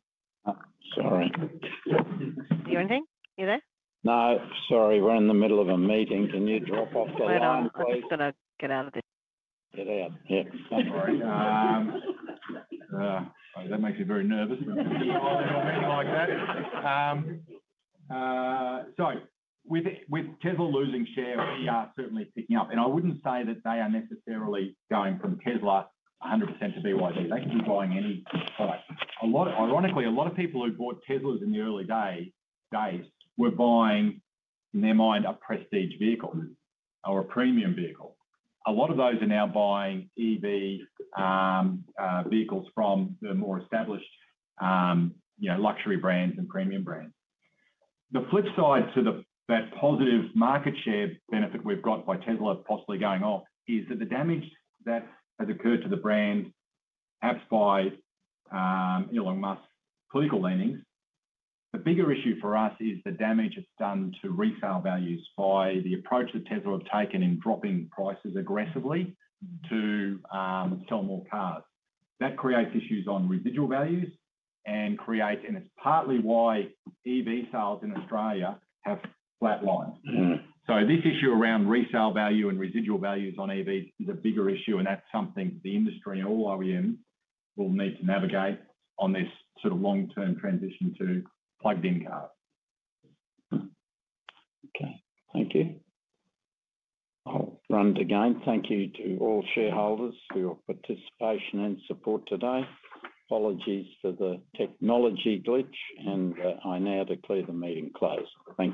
Sorry. You're in? You there? No. Sorry. We're in the middle of a meeting. Can you drop off the line, please? Sorry. I'm just going to get out of the— Get out. Yep. That's all right. That makes me very nervous when I'm in a meeting like that. With Tesla losing share, we are certainly picking up. I would not say that they are necessarily going from Tesla 100% to BYD. They could be buying any product. Ironically, a lot of people who bought Teslas in the early days were buying, in their mind, a prestige vehicle or a premium vehicle. A lot of those are now buying EV vehicles from the more established luxury brands and premium brands. The flip side to that positive market share benefit we have got by Tesla possibly going off is that the damage that has occurred to the brand apps by Elon Musk's political leanings. The bigger issue for us is the damage it has done to resale values by the approach that Tesla have taken in dropping prices aggressively to sell more cars. That creates issues on residual values and creates—and it is partly why EV sales in Australia have flatlined. This issue around resale value and residual values on EVs is a bigger issue, and that's something the industry and all OEMs will need to navigate on this sort of long-term transition to plugged-in cars. Okay. Thank you. I'll run it again. Thank you to all shareholders for your participation and support today. Apologies for the technology glitch, and I now declare the meeting closed. Thank you.